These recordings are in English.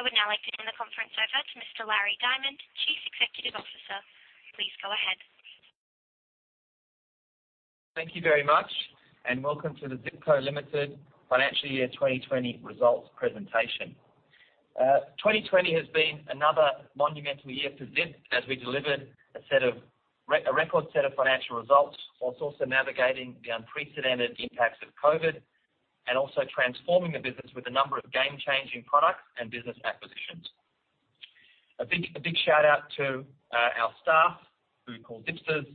I would now like to turn the conference over to Mr. Larry Diamond, Chief Executive Officer. Please go ahead. Thank you very much, and welcome to the Zip Co Limited Financial Year 2020 Results presentation. 2020 has been another monumental year for Zip as we delivered a set of a record set of financial results, while also navigating the unprecedented impacts of COVID, and also transforming the business with a number of game-changing products and business acquisitions. A big, a big shout-out to, our staff, who we call Zipsters,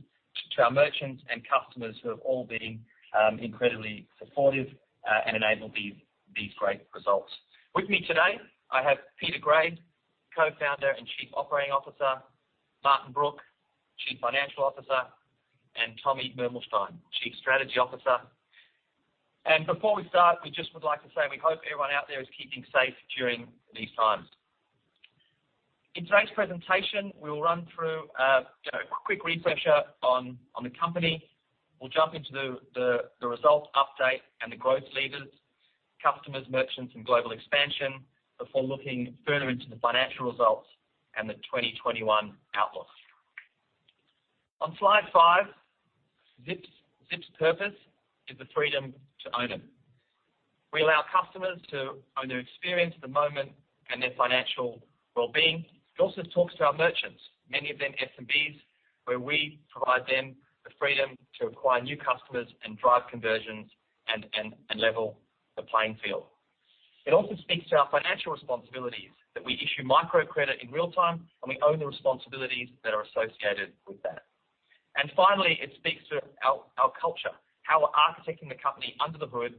to our merchants, and customers, who have all been, incredibly supportive, and enabled these, these great results. With me today, I have Peter Gray, Co-founder and Chief Operating Officer, Martin Brooke, Chief Financial Officer, and Tommy Mermelstein, Chief Strategy Officer, and before we start, we just would like to say, we hope everyone out there is keeping safe during these times. In today's presentation, we'll run through, you know, a quick refresher on the company. We'll jump into the results update and the growth levers, customers, merchants, and global expansion, before looking further into the financial results and the 2021 outlook. On slide five, Zip's purpose is the freedom to own it. We allow customers to own their experience, the moment, and their financial well-being. It also talks to our merchants, many of them SMBs, where we provide them the freedom to acquire new customers and drive conversions and level the playing field. It also speaks to our financial responsibilities, that we issue microcredit in real time, and we own the responsibilities that are associated with that. And finally, it speaks to our culture, how we're architecting the company under the hood,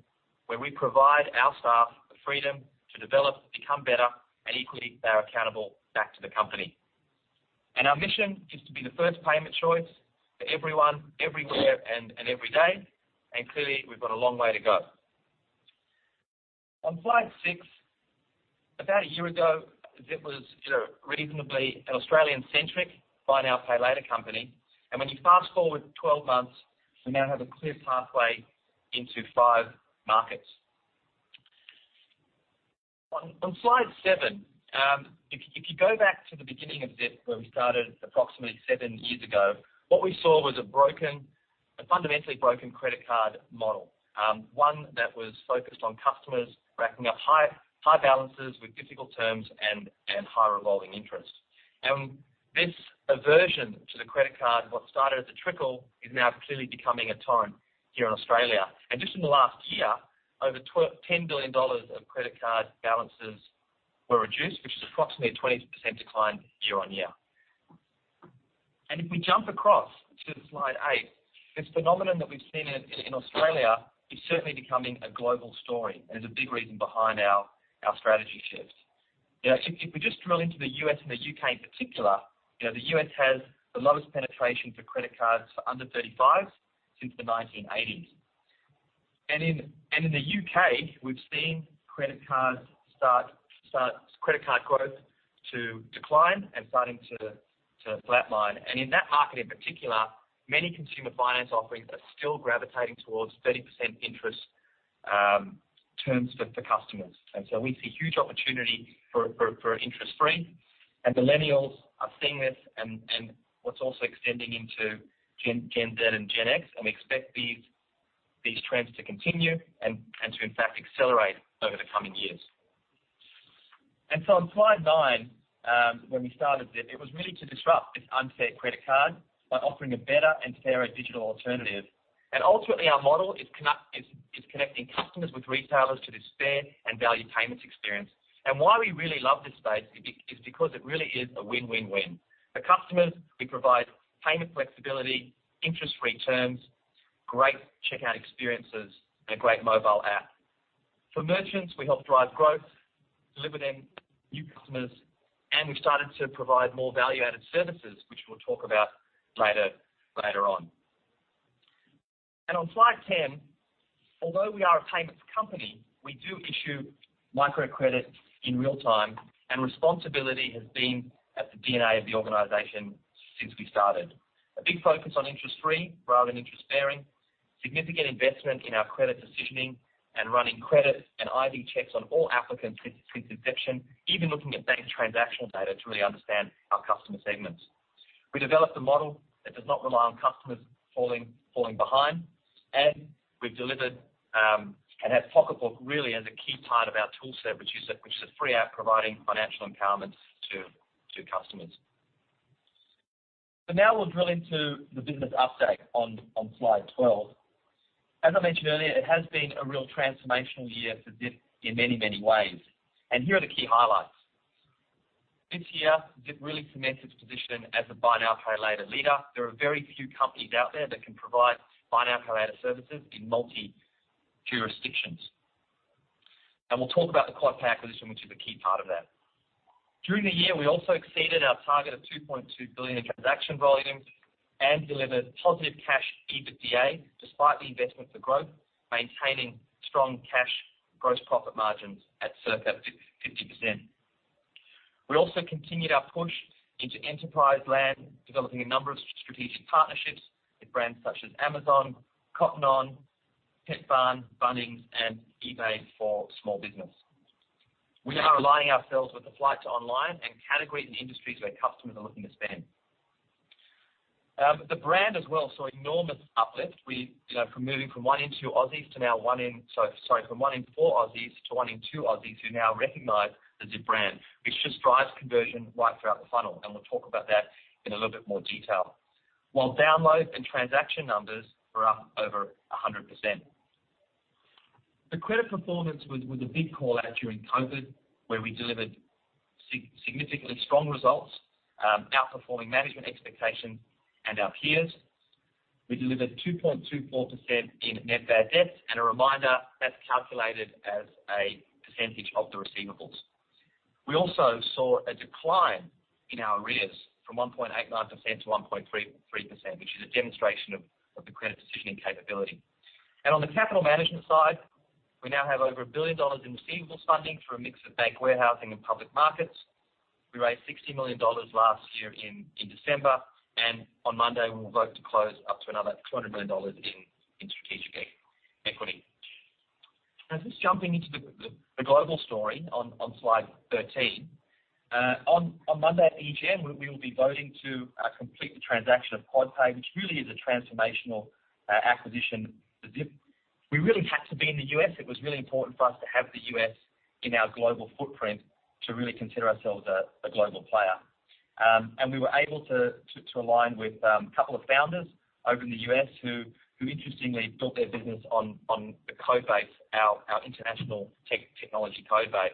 where we provide our staff the freedom to develop, become better, and equally, they are accountable back to the company. And our mission is to be the first payment choice for everyone, everywhere, and every day, and clearly, we've got a long way to go. On slide six, about a year ago, Zip was, you know, reasonably an Australian-centric, buy now, pay later company. And when you fast forward twelve months, we now have a clear pathway into five markets. On slide seven, if you go back to the beginning of Zip, where we started approximately seven years ago, what we saw was a fundamentally broken credit card model. One that was focused on customers racking up high balances with difficult terms and high revolving interest. This aversion to the credit card, what started as a trickle, is now clearly becoming a tide here in Australia. Just in the last year, over 10 billion dollars of credit card balances were reduced, which is approximately a 20% decline year-on-year. If we jump across to slide eight, this phenomenon that we've seen in Australia is certainly becoming a global story, and is a big reason behind our strategy shifts. You know, if we just drill into the U.S. and the U.K. in particular, you know, the U.S. has the lowest penetration for credit cards for under thirty-fives since the 1980s. In the U.K., we've seen credit card growth start to decline and starting to flatline. In that market, in particular, many consumer finance offerings are still gravitating towards 30% interest terms for customers. So we see huge opportunity for interest-free. Millennials are seeing this, and what's also extending into Gen Z and Gen X, and we expect these trends to continue and to, in fact, accelerate over the coming years. On slide nine, when we started Zip, it was really to disrupt this unfair credit card by offering a better and fairer digital alternative. Ultimately, our model is connecting customers with retailers to this fair and value payments experience. Why we really love this space is because it really is a win-win-win. For customers, we provide payment flexibility, interest-free terms, great checkout experiences, and a great mobile app. For merchants, we help drive growth, delivering new customers, and we've started to provide more value-added services, which we'll talk about later on. On slide 10, although we are a payments company, we do issue microcredit in real time, and responsibility has been at the DNA of the organization since we started. A big focus on interest-free rather than interest-bearing, significant investment in our credit decisioning, and running credit and ID checks on all applicants since inception, even looking at bank transactional data to really understand our customer segments. We developed a model that does not rely on customers falling behind, and we've delivered and have Pocketbook really as a key part of our toolset, which is a free app providing financial empowerment to customers. So now we'll drill into the business update on slide twelve. As I mentioned earlier, it has been a real transformational year for Zip in many, many ways, and here are the key highlights. This year, Zip really cements its position as a buy now, pay later leader. There are very few companies out there that can provide buy now, pay later services in multi jurisdictions. And we'll talk about the QuadPay acquisition, which is a key part of that. During the year, we also exceeded our target of 2.2 billion in transaction volume and delivered positive cash EBITDA, despite the investment for growth, maintaining strong cash gross profit margins at circa 50-50%. We also continued our push into enterprise land, developing a number of strategic partnerships with brands such as Amazon, Cotton On, Petbarn, Bunnings, and eBay for small business. We are aligning ourselves with the flight to online and categories and industries where customers are looking to spend. The brand as well saw enormous uplift. We, you know, from moving from one in four Aussies to one in two Aussies, who now recognize the Zip brand, which just drives conversion right throughout the funnel, and we'll talk about that in a little bit more detail. While downloads and transaction numbers are up over 100%. The credit performance was a big call-out during COVID, where we delivered significantly strong results, outperforming management expectations and our peers. We delivered 2.24% in net bad debts, and a reminder, that's calculated as a percentage of the receivables. We also saw a decline in our arrears from 1.89% to 1.33%, which is a demonstration of the credit decisioning capability. And on the capital management side, we now have over 1 billion dollars in receivables funding through a mix of bank warehousing and public markets. We raised 60 million dollars last year in December, and on Monday, we will vote to close up to another 200 million dollars in strategic equity. Now, just jumping into the global story on slide thirteen. On Monday at EGM, we will be voting to complete the transaction of QuadPay, which really is a transformational acquisition for Zip. We really had to be in the U.S.; it was really important for us to have the U.S. in our global footprint to really consider ourselves a global player, and we were able to align with a couple of founders over in the U..S who interestingly built their business on the code base, our international technology code base.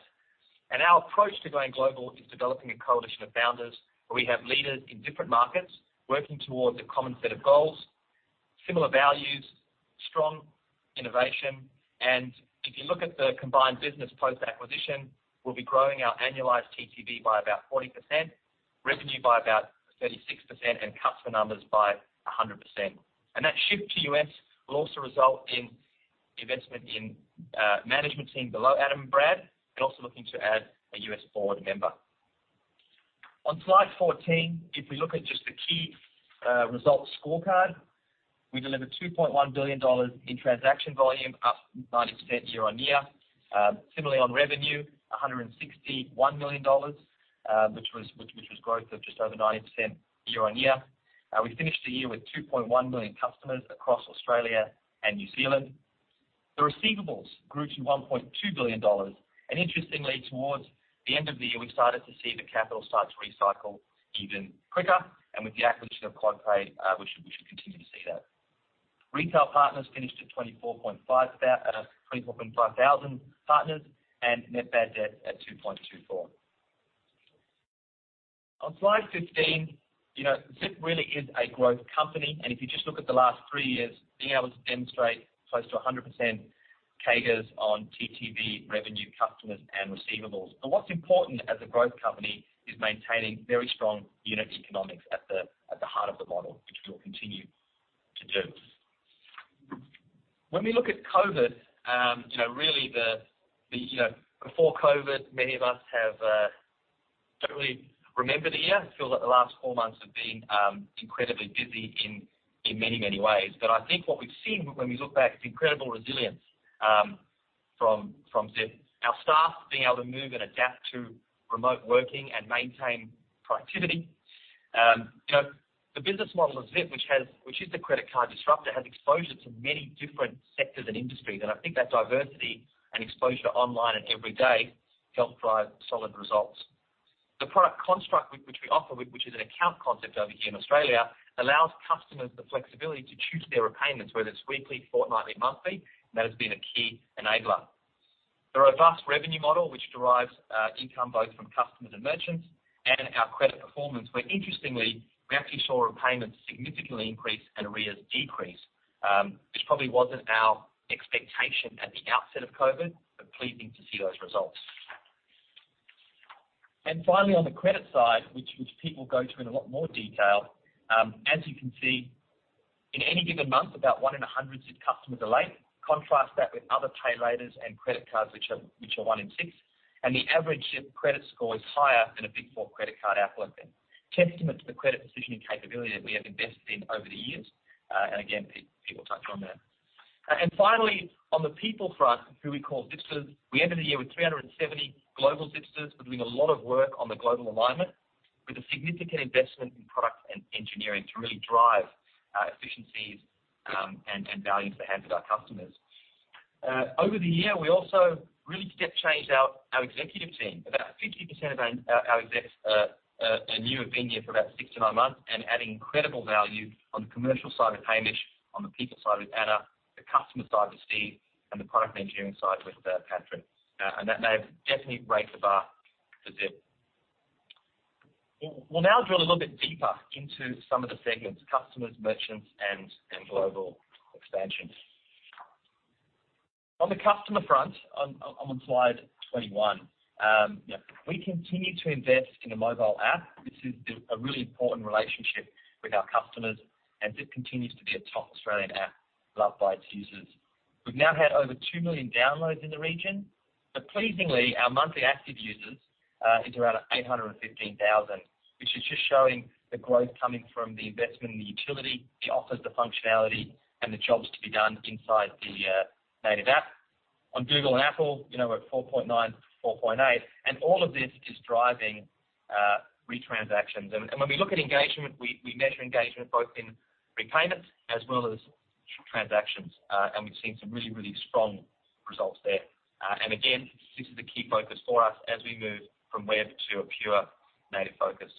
Our approach to going global is developing a coalition of founders, where we have leaders in different markets working towards a common set of goals, similar values, strong innovation, and if you look at the combined business post-acquisition, we'll be growing our annualized TTV by about 40%, revenue by about 36%, and customer numbers by 100%. That shift to U.S. will also result in investment in management team below Adam and Brad, and also looking to add a U.S. board member. On slide 14, if we look at just the key results scorecard, we delivered 2.1 billion dollars in transaction volume, up 90% year on year. Similarly, on revenue, 161 million dollars, which was growth of just over 90% year on year. We finished the year with 2.1 million customers across Australia and New Zealand. The receivables grew to 1.2 billion dollars, and interestingly, towards the end of the year, we started to see the capital starts to recycle even quicker, and with the acquisition of QuadPay, we should continue to see that. Retail partners finished at 24.5 thousand partners, and net bad debt at 2.24%. On slide 15, you know, Zip really is a growth company, and if you just look at the last three years, being able to demonstrate close to 100% CAGRs on TTV, revenue, customers, and receivables. But what's important as a growth company is maintaining very strong unit economics at the heart of the model, which we'll continue to do. When we look at COVID, you know, really the you know, before COVID, many of us have don't really remember the year. Feel that the last 12 months have been incredibly busy in many ways. But I think what we've seen when we look back is incredible resilience from Zip. Our staff being able to move and adapt to remote working and maintain productivity. You know, the business model of Zip which has, which is the credit card disruptor, has exposure to many different sectors and industries, and I think that diversity and exposure online and every day helped drive solid results. The product construct which we offer, which is an account concept over here in Australia, allows customers the flexibility to choose their repayments, whether it's weekly, fortnightly, monthly, and that has been a key enabler. The robust revenue model, which derives income both from customers and merchants, and our credit performance, where interestingly, we actually saw repayments significantly increase and arrears decrease, which probably wasn't our expectation at the outset of COVID, but pleasing to see those results. And finally, on the credit side, which Pete will go into in a lot more detail, as you can see, in any given month, about one in a hundred Zip customers are late. Contrast that with other pay later and credit cards, which are one in six, and the average Zip credit score is higher than a Big Four credit card outlier, testament to the credit decisioning capability that we have invested in over the years. And again, Pete will touch on that. Finally, on the people front, who we call Zipsters, we ended the year with 370 global Zipsters. We're doing a lot of work on the global alignment, with a significant investment in product and engineering to really drive efficiencies and value for the benefit of our customers. Over the year, we also really step changed our executive team. About 50% of our execs are new and been here for about six to nine months and adding incredible value on the commercial side with Hamish, on the people side with Anna, the customer side with Steve, and the product and engineering side with Patrick. And that they've definitely raised the bar for Zip. We'll now drill a little bit deeper into some of the segments: customers, merchants, and global expansion. On the customer front, on slide 21, you know, we continue to invest in a mobile app, which is a really important relationship with our customers, and Zip continues to be a top Australian app loved by its users. We've now had over 2 million downloads in the region, but pleasingly, our monthly active users is around 815,000, which is just showing the growth coming from the investment in the utility. It offers the functionality and the jobs to be done inside the native app. On Google and Apple, you know, we're at 4.9, 4.8, and all of this is driving retransactions. And when we look at engagement, we measure engagement both in repayments as well as transactions. And we've seen some really, really strong results there. And again, this is the key focus for us as we move from web to a pure native focus.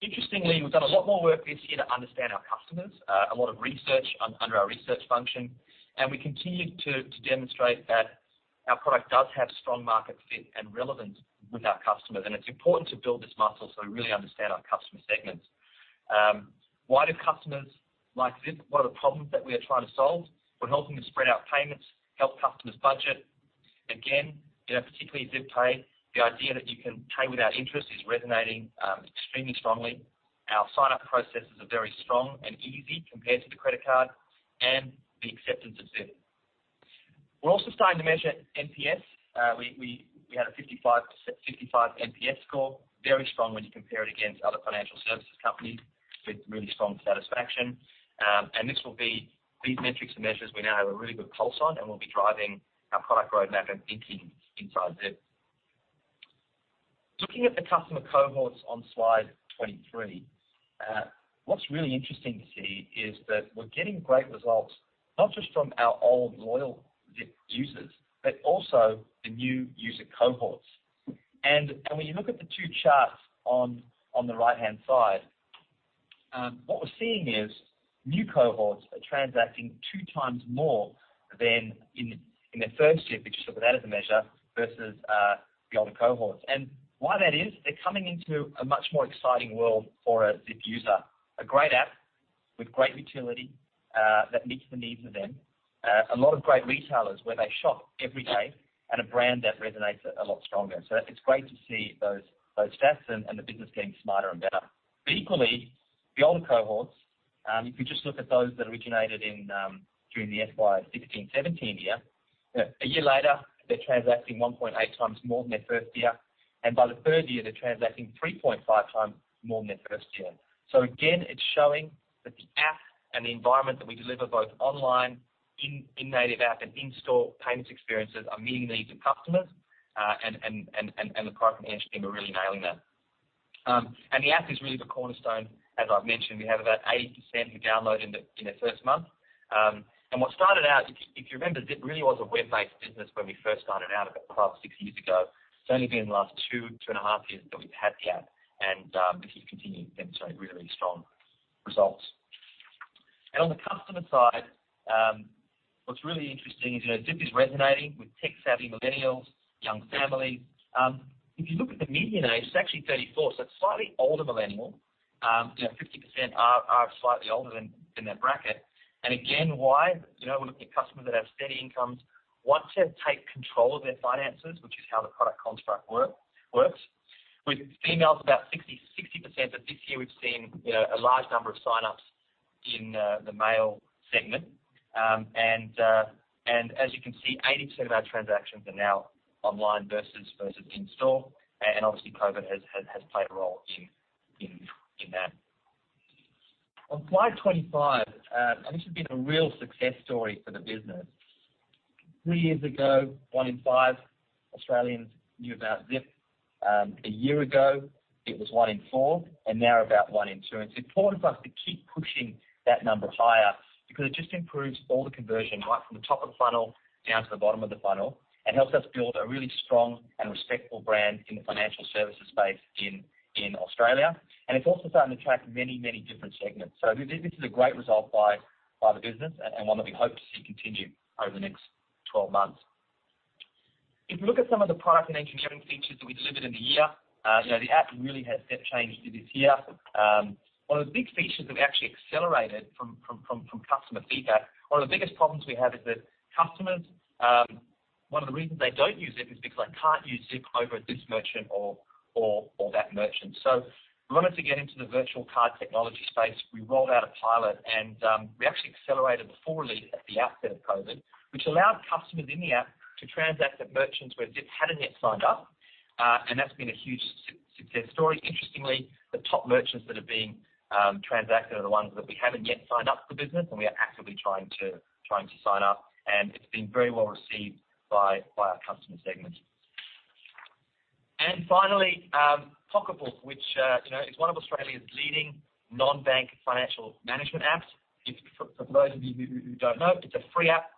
Interestingly, we've done a lot more work this year to understand our customers, a lot of research under our research function, and we continue to demonstrate that our product does have strong market fit and relevance with our customers. And it's important to build this muscle, so we really understand our customer segments. Why do customers like Zip? What are the problems that we are trying to solve? We're helping to spread out payments, help customers budget. Again, you know, particularly Zip Pay, the idea that you can pay without interest is resonating, extremely strongly. Our sign-up processes are very strong and easy compared to the credit card and the acceptance of Zip. We're also starting to measure NPS. We had a 55 NPS score, very strong when you compare it against other financial services companies with really strong satisfaction. And this will be these metrics and measures, we now have a really good pulse on, and we'll be driving our product roadmap and thinking inside Zip. Looking at the customer cohorts on slide 23, what's really interesting to see is that we're getting great results, not just from our old loyal Zip users, but also the new user cohorts. When you look at the two charts on the right-hand side, what we're seeing is new cohorts are transacting two times more than in their first year, if you just look at that as a measure, versus the older cohorts. And why that is, they're coming into a much more exciting world for a Zip user. A great app with great utility, that meets the needs of them, a lot of great retailers where they shop every day, and a brand that resonates a lot stronger. So it's great to see those stats and the business getting smarter and better. But equally, the older cohorts, if you just look at those that originated in, during the FY 2016, 2017 year, a year later, they're transacting one point eight times more than their first year, and by the third year, they're transacting three point five times more than their first year. So again, it's showing that the app and the environment that we deliver, both online, in native app, and in-store payments experiences are meeting the needs of customers, and the product management team are really nailing that. And the app is really the cornerstone. As I've mentioned, we have about 80% who download in the first month. And what started out, if you, if you remember, Zip really was a web-based business when we first started out about five, six years ago. It's only been in the last two, two and a half years that we've had the app, and we keep continuing to get some really strong results. And on the customer side, what's really interesting is, you know, Zip is resonating with tech-savvy millennials, young families. If you look at the median age, it's actually 34, so it's slightly older millennial. You know, 50% are slightly older than that bracket. And again, why? You know, we're looking at customers that have steady incomes, want to take control of their finances, which is how the product construct works. With females, about 60%, but this year we've seen, you know, a large number of sign-ups in the male segment. And as you can see, 80% of our transactions are now online versus in-store. And obviously, COVID has played a role in that. On slide 25, and this has been a real success story for the business. Three years ago, one in five Australians knew about Zip. A year ago, it was one in four, and now about one in two. And it's important for us to keep pushing that number higher because it just improves all the conversion, right from the top of the funnel down to the bottom of the funnel, and helps us build a really strong and respectful brand in the financial services space in Australia. And it's also starting to attract many, many different segments. So this is a great result by the business and one that we hope to see continue over the next twelve months. If you look at some of the product and engineering features that we delivered in the year, you know, the app really has step changed this year. One of the big features that we actually accelerated from customer feedback, one of the biggest problems we have is that customers, one of the reasons they don't use Zip is because they can't use Zip over at this merchant or that merchant. So we wanted to get into the virtual card technology space. We rolled out a pilot, and we actually accelerated the full release at the outset of COVID, which allowed customers in the app to transact at merchants where Zip hadn't yet signed up, and that's been a huge success story. Interestingly, the top merchants that are being transacted are the ones that we haven't yet signed up to the business, and we are actively trying to sign up, and it's been very well received by our customer segment. And finally, Pocketbook, which, you know, is one of Australia's leading non-bank financial management apps. If, for those of you who don't know, it's a free app.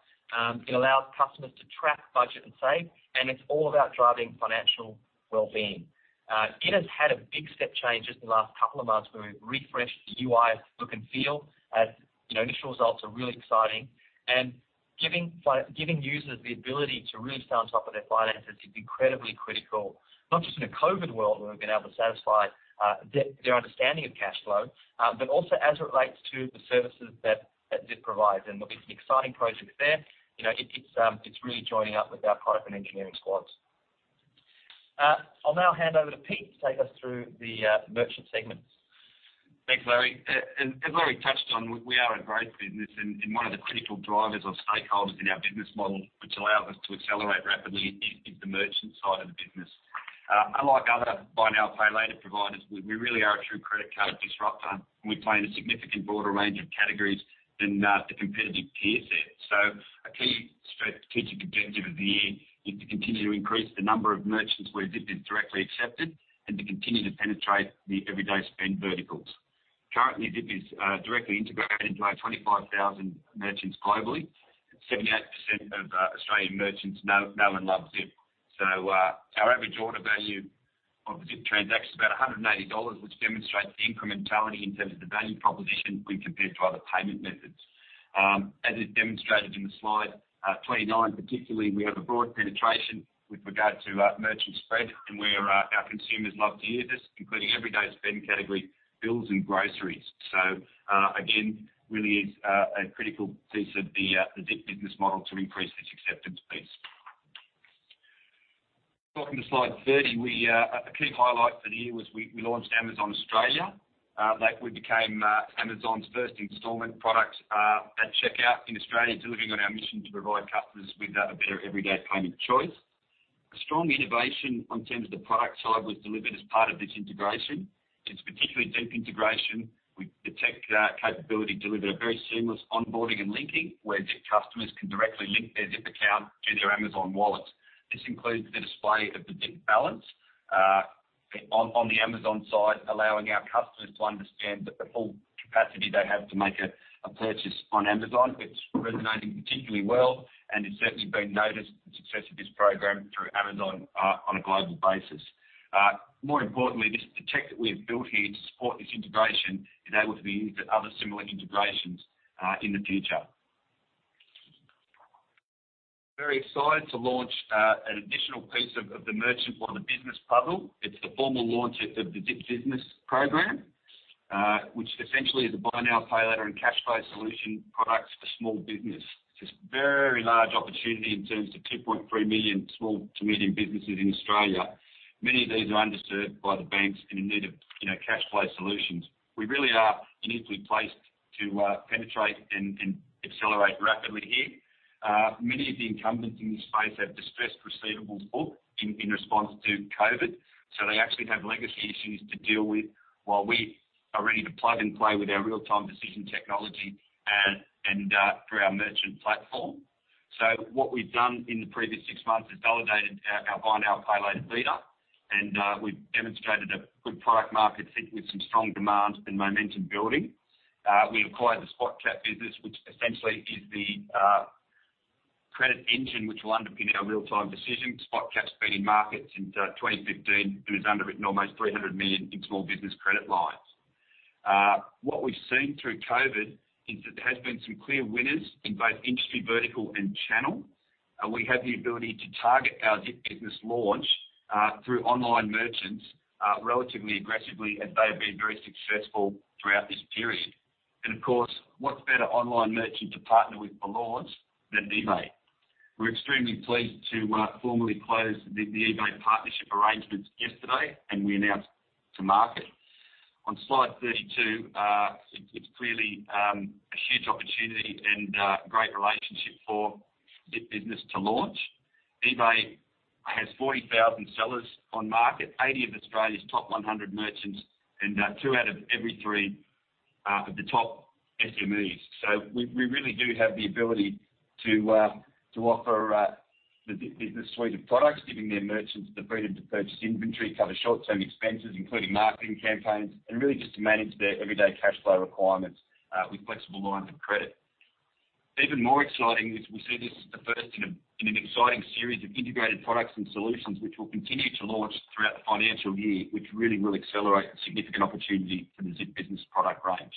It allows customers to track, budget, and save, and it's all about driving financial well-being. It has had a big step change just in the last couple of months, where we've refreshed the UI look and feel, as you know, initial results are really exciting. And giving users the ability to really stay on top of their finances is incredibly critical, not just in a COVID world, where we've been able to satisfy their understanding of cash flow, but also as it relates to the services that Zip provides. And look, it's an exciting project there. You know, it's really joining up with our product and engineering squads.... I'll now hand over to Pete to take us through the merchant segment. Thanks, Larry. And as already touched on, we are a growth business, and one of the critical drivers of stakeholders in our business model, which allows us to accelerate rapidly, is the merchant side of the business. Unlike other buy now, pay later providers, we really are a true credit card disruptor, and we play in a significant broader range of categories than the competitive peer set. So a key objective of the year is to continue to increase the number of merchants where Zip is directly accepted, and to continue to penetrate the everyday spend verticals. Currently, Zip is directly integrated by 25,000 merchants globally, and 78% of Australian merchants know and love Zip. Our average order value of a Zip transaction is about 180 dollars, which demonstrates the incrementality in terms of the value proposition when compared to other payment methods. As is demonstrated in the slide 29 particularly, we have a broad penetration with regard to merchant spread, and where our consumers love to use us, including everyday spend category, bills, and groceries. Again, really is a critical piece of the Zip business model to increase this acceptance piece. Welcome to slide 30. A key highlight for the year was we launched Amazon Australia. Like, we became Amazon's first installment product at checkout in Australia, delivering on our mission to provide customers with a better everyday payment choice. A strong innovation on terms of the product side was delivered as part of this integration. It's particularly deep integration with the tech, capability, delivered a very seamless onboarding and linking, where Zip customers can directly link their Zip account to their Amazon wallet. This includes the display of the Zip balance on the Amazon side, allowing our customers to understand the full capacity they have to make a purchase on Amazon. It's resonating particularly well, and it's certainly been noticed, the success of this program, through Amazon on a global basis. More importantly, the tech that we have built here to support this integration enables the use of other similar integrations in the future. Very excited to launch an additional piece of the merchant or the business puzzle. It's the formal launch of the Zip Business program, which essentially is a buy now, pay later and cashflow solution product for small business. There's very large opportunity in terms of 2.3 million small to medium businesses in Australia. Many of these are underserved by the banks and in need of, you know, cashflow solutions. We really are uniquely placed to penetrate and accelerate rapidly here. Many of the incumbents in this space have distressed receivables book in response to COVID, so they actually have legacy issues to deal with, while we are ready to plug and play with our real-time decision technology and through our merchant platform. What we've done in the previous six months is validated our buy now, pay later leader, and we've demonstrated a good product market fit with some strong demand and momentum building. We acquired the Spotcap business, which essentially is the credit engine, which will underpin our real-time decision. Spotcap's been in market since 2015 and has underwritten almost 300 million in small business credit lines. What we've seen through COVID is that there has been some clear winners in both industry vertical and channel, and we have the ability to target our Zip Business launch through online merchants relatively aggressively, and they have been very successful throughout this period. Of course, what's better online merchant to partner with for launch than eBay? We're extremely pleased to formally close the eBay partnership arrangements yesterday, and we announced to market. On slide 32, it's clearly a huge opportunity and great relationship for Zip Business to launch. eBay has 40,000 sellers on market, 80 of Australia's top 100 merchants, and two out of every three of the top SMEs. So we really do have the ability to offer the suite of products, giving their merchants the freedom to purchase inventory, cover short-term expenses, including marketing campaigns, and really just to manage their everyday cashflow requirements with flexible lines of credit. Even more exciting is we see this as the first in a, in an exciting series of integrated products and solutions, which we'll continue to launch throughout the financial year, which really will accelerate significant opportunity for the Zip business product range.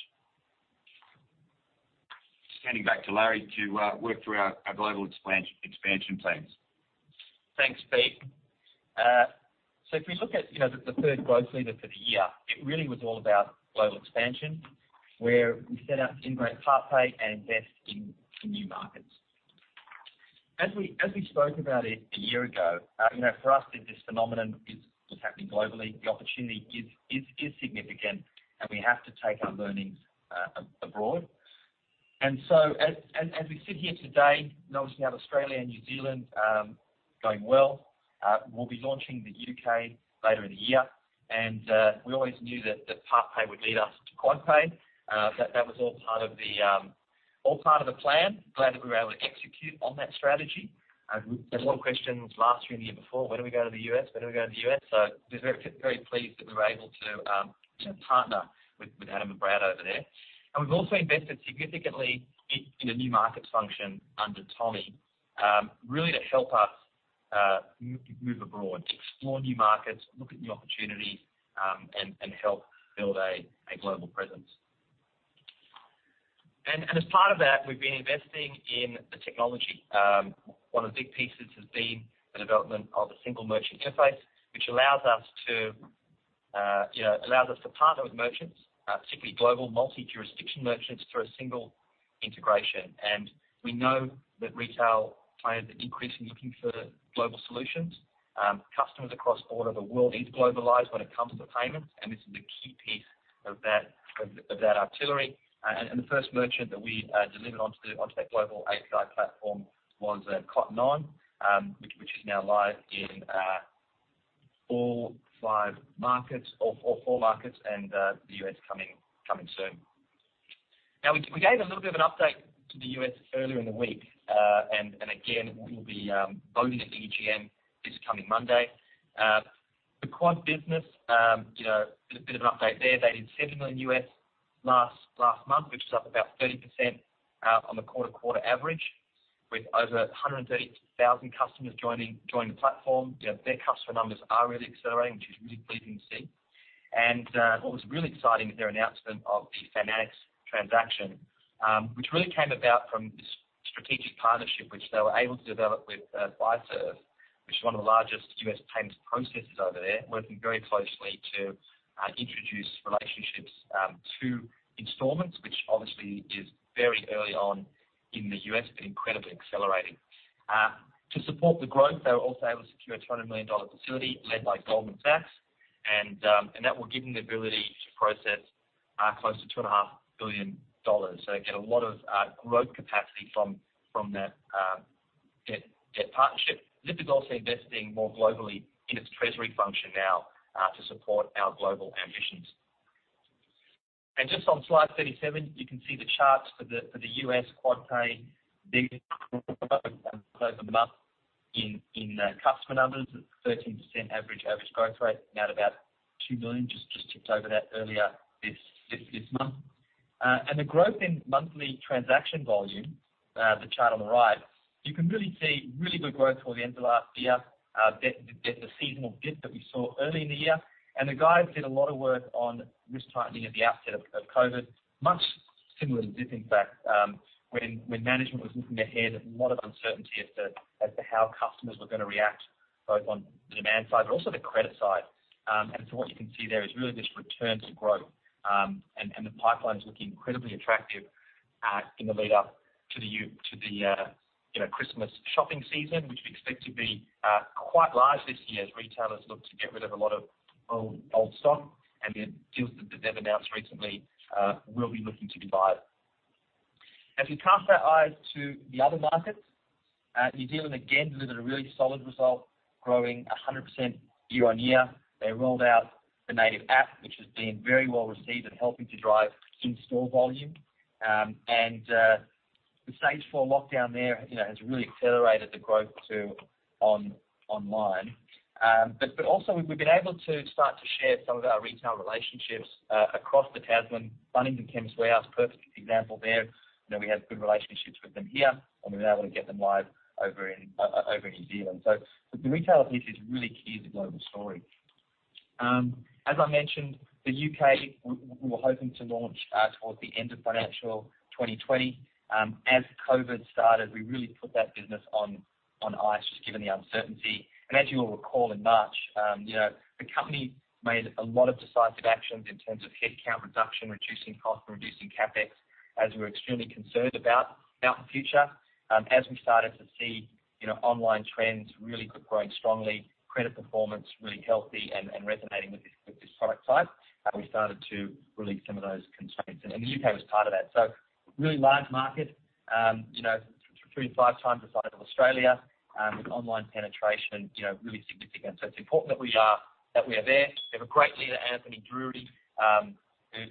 Just handing back to Larry to work through our global expansion plans. Thanks, Pete. So if we look at, you know, the third growth lever for the year, it really was all about global expansion, where we set out to integrate PartPay and invest in new markets. As we spoke about it a year ago, you know, for us, this phenomenon is happening globally. The opportunity is significant, and we have to take our learnings abroad. And so as we sit here today, noticing how Australia and New Zealand are going well, we'll be launching the U.K. later in the year, and we always knew that PartPay would lead us to QuadPay. That was all part of the plan. Glad that we were able to execute on that strategy. We had a lot of questions last year and the year before: "When do we go to the U.S.? When do we go to the U.S.?" So we're very pleased that we were able to, you know, partner with Adam and Brad over there. And we've also invested significantly in a new markets function under Tommy, really to help us move abroad, explore new markets, look at new opportunities, and help build a global presence. And as part of that, we've been investing in the technology. One of the big pieces has been the development of a single merchant interface, which allows us to you know allows us to partner with merchants, particularly global multi-jurisdiction merchants, through a single integration. And we know that retail clients are increasingly looking for global solutions. Customers across all over the world need to globalize when it comes to payments, and this is a key piece of that, of that artillery. And the first merchant that we delivered onto that global API platform was Cotton On, which is now live in all five markets or four markets, and the U.S.. coming soon. Now, we gave a little bit of an update to the U.S. earlier in the week, and again, we'll be voting at EGM this coming Monday. The Quad business, you know, a bit of an update there. They did $7 million last month, which is up about 30% on the quarter-to-quarter average, with over 130,000 customers joining the platform. You know, their customer numbers are really accelerating, which is really pleasing to see. And what was really exciting is their announcement of the Fanatics transaction, which really came about from this strategic partnership, which they were able to develop with Fiserv, which is one of the largest U.S. payments processors over there, working very closely to introduce relationships to installments, which obviously is very early on in the U.S., but incredibly accelerating. To support the growth, they were also able to secure a $200 million facility led by Goldman Sachs, and that will give them the ability to process close to $2.5 billion. So they get a lot of growth capacity from that debt partnership. Zip is also investing more globally in its treasury function now, to support our global ambitions. Just on slide thirty-seven, you can see the charts for the QuadPay business over the month in customer numbers, at 13% average growth rate, now at about two million, just tipped over that earlier this month. And the growth in monthly transaction volume, the chart on the right, you can really see good growth toward the end of last year, get the seasonal dip that we saw early in the year. The guys did a lot of work on risk tightening at the outset of COVID, much similar to Zip impact, when management was looking ahead, a lot of uncertainty as to how customers were going to react, both on the demand side, but also the credit side. What you can see there is really this return to growth, and the pipeline's looking incredibly attractive in the lead up to the, you know, Christmas shopping season, which we expect to be quite large this year as retailers look to get rid of a lot of old stock, and the deals that they've announced recently will be looking to buy. As we cast our eyes to the other markets, New Zealand, again, delivered a really solid result, growing 100% year-on-year. They rolled out the native app, which has been very well received and helping to drive in-store volume. And the stage four lockdown there, you know, has really accelerated the growth to online. But also, we've been able to start to share some of our retail relationships across the Tasman. Bunnings and Chemist Warehouse, perfect example there. You know, we have good relationships with them here, and we've been able to get them live over in over in New Zealand. So the retailer piece is really key to the global story. As I mentioned, the U.K., we were hoping to launch towards the end of financial 2020. As COVID started, we really put that business on ice, just given the uncertainty. As you will recall, in March, you know, the company made a lot of decisive actions in terms of headcount reduction, reducing cost, and reducing CapEx, as we were extremely concerned about the future. As we started to see, you know, online trends really grow strongly, credit performance really healthy, and resonating with this product type, we started to relieve some of those constraints, and the U.K. was part of that. Really large market, you know, three to five times the size of Australia, with online penetration, you know, really significant. It's important that we are there. We have a great leader, Anthony Drury,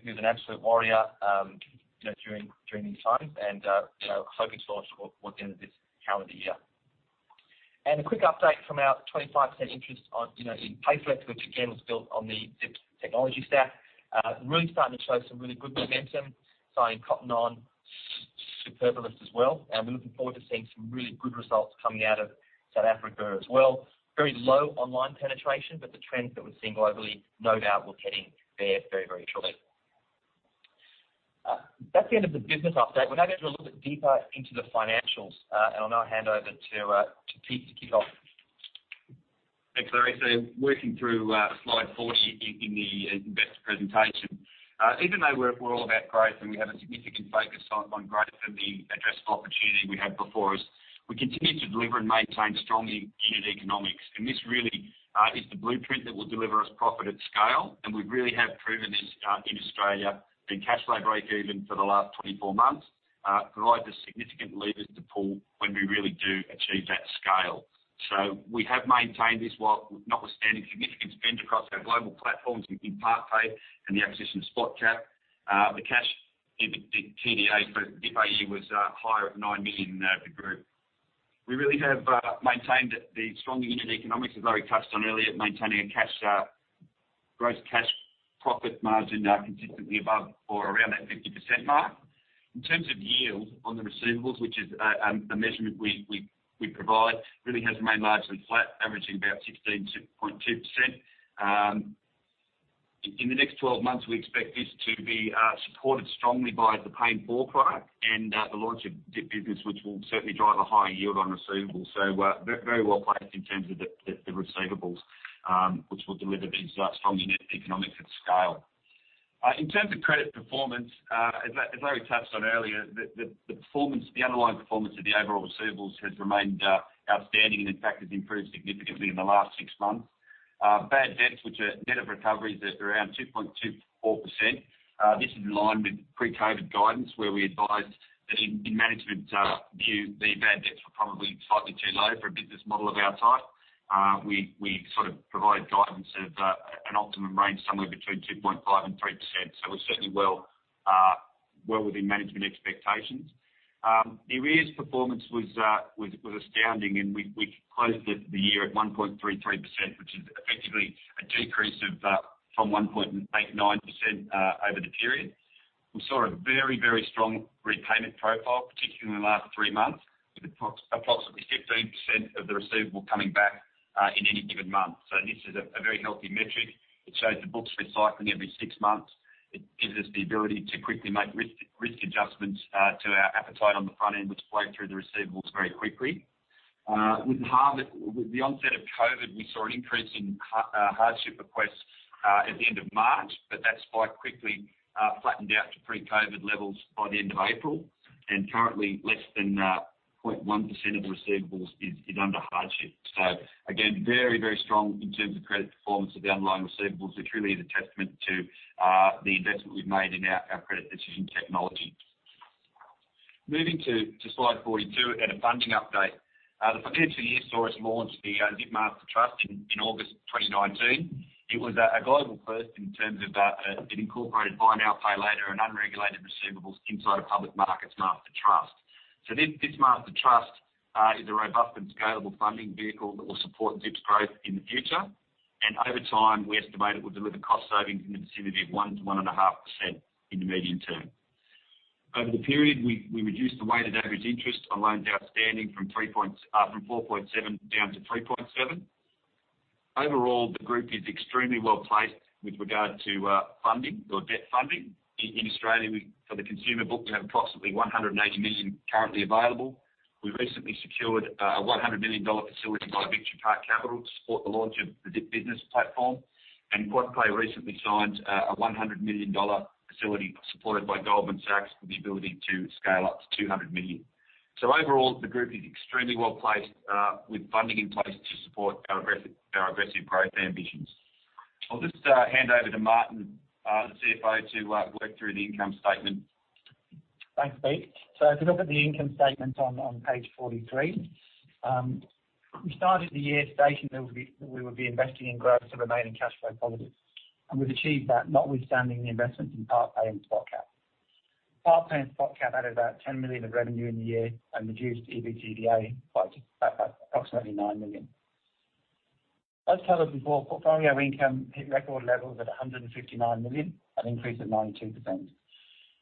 who's an absolute warrior, you know, during these times, and you know, hoping to launch toward the end of this calendar year. A quick update from our 25% interest in Payflex, which again, was built on the Zip technology stack. Really starting to show some really good momentum, signing Cotton On to Superbalist as well, and we're looking forward to seeing some really good results coming out of South Africa as well. Very low online penetration, but the trends that we're seeing globally, no doubt will head in there very, very shortly. That's the end of the business update. We're now going to go a little bit deeper into the financials, and I'll now hand over to Pete to kick off. Thanks, Larry. So working through slide 40 in the investor presentation. Even though we're all about growth, and we have a significant focus on growth and the addressed opportunity we have before us, we continue to deliver and maintain strong unit economics. And this really is the blueprint that will deliver us profit at scale, and we really have proven this in Australia. The cash flow breakeven for the last 24 months provides us significant levers to pull when we really do achieve that scale. So we have maintained this while notwithstanding significant spend across our global platforms in PartPay and the acquisition of Spotcap. The cash EBITDA for the Zip AU was higher at 9 million for the group. We really have maintained the strong unit economics, as Larry touched on earlier, maintaining a cash gross profit margin consistently above or around that 50% mark. In terms of yield on the receivables, which is a measurement we provide, really has remained largely flat, averaging about 16.2%. In the next 12 months, we expect this to be supported strongly by the Pay in 4 product and the launch of Zip Business, which will certainly drive a higher yield on receivables. So, very well placed in terms of the receivables, which will deliver these strong unit economics at scale. In terms of credit performance, as Larry touched on earlier, the underlying performance of the overall receivables has remained outstanding, and in fact, has improved significantly in the last six months. Bad debts, which are net of recoveries, at around 2.24%. This is in line with pre-COVID guidance, where we advised that in management's view, the bad debts were probably slightly too low for a business model of our type. We sort of provided guidance of an optimum range, somewhere between 2.5%-3%. So we're certainly well within management expectations. The arrears performance was astounding, and we closed the year at 1.33%, which is effectively a decrease of from 1.89% over the period. We saw a very, very strong repayment profile, particularly in the last three months, with approximately 15% of the receivable coming back in any given month. So this is a very healthy metric. It shows the books recycling every six months. It gives us the ability to quickly make risk adjustments to our appetite on the front end, which flow through the receivables very quickly. With the onset of COVID, we saw an increase in hardship requests at the end of March, but that's quite quickly flattened out to pre-COVID levels by the end of April. And currently, less than 0.1% of the receivables is under hardship. So again, very, very strong in terms of credit performance of the underlying receivables, which really is a testament to the investment we've made in our credit decision technology. Moving to slide 42 and a funding update. The financial year saw us launch the Zip Master Trust in August 2019. It was a global first in terms of it incorporated buy now, pay later, and unregulated receivables inside a public markets master trust. So this master trust is a robust and scalable funding vehicle that will support Zip's growth in the future. And over time, we estimate it will deliver cost savings in the vicinity of 1% to 1.5% in the medium term. Over the period, we reduced the weighted average interest on loans outstanding from 4.7 down to 3.7. Overall, the group is extremely well-placed with regard to funding or debt funding. In Australia, for the consumer book, we have approximately 180 million currently available. We recently secured a $100 million facility by Victory Park Capital to support the launch of the Zip Business platform. And QuadPay recently signed a $100 million facility supported by Goldman Sachs for the ability to scale up to $200 million. So overall, the group is extremely well-placed with funding in place to support our aggressive growth ambitions. I'll just hand over to Martin, the CFO, to work through the income statement. Thanks, Pete. So if you look at the income statement on page 43, we started the year stating that we would be investing in growth to remain in cash flow positive, and we've achieved that, notwithstanding the investment in PartPay and Spotcap. PartPay and Spotcap added about 10 million of revenue in the year and reduced EBITDA by approximately 9 million. As covered before, portfolio income hit record levels at 159 million, an increase of 92%.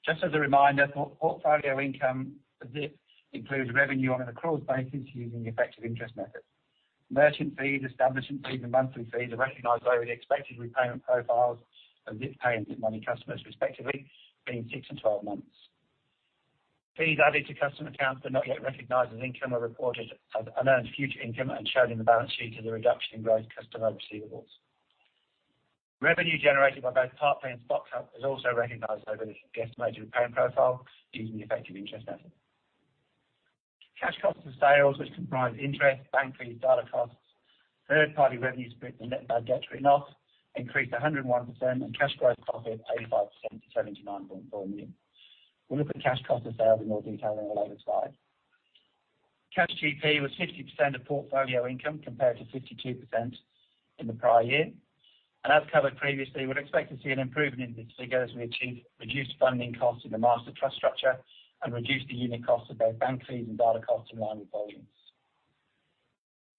Just as a reminder, portfolio income at Zincludes revenue on an accruals basis using the effective interest method. Merchant fees, establishment fees, and monthly fees are recognized over the expected repayment profiles of Zip Pay and Money customers, respectively, between six and 12 months. Fees added to customer accounts, but not yet recognized as income, are reported as unearned future income and shown in the balance sheet as a reduction in gross customer receivables. Revenue generated by both PartPay and Spotcap is also recognized over the estimated repayment profile using the effective interest method. Cash cost of sales, which comprise interest, bank fees, data costs, third-party revenue split, and net bad debt written off, increased 101%, and cash gross profit 85% to 79.4 million. We'll look at cash cost of sales in more detail in a later slide. Cash GP was 50% of portfolio income compared to 52% in the prior year. And as covered previously, we'd expect to see an improvement in this figure as we achieve reduced funding costs in the master trust structure and reduce the unit costs of both bank fees and data costs in line with volumes.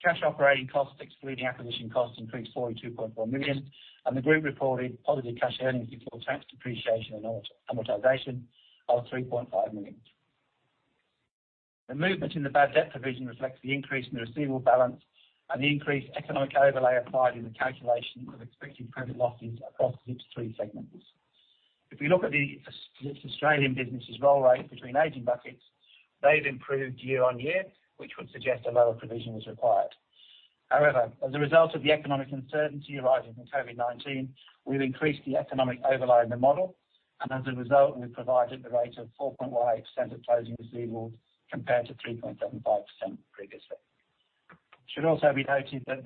Cash operating costs, excluding acquisition costs, increased 42.4 million, and the group reported positive cash earnings before tax depreciation and amortization of 3.5 million. The movement in the bad debt provision reflects the increase in the receivable balance and the increased economic overlay applied in the calculation of expected credit losses across Zip's three segments. If we look at Zip's Australian business's roll rate between aging buckets, they've improved year on year, which would suggest a lower provision is required. However, as a result of the economic uncertainty arising from COVID-19, we've increased the economic overlay in the model, and as a result, we've provided the rate of 4.18% of closing receivables compared to 3.75% previously. It should also be noted that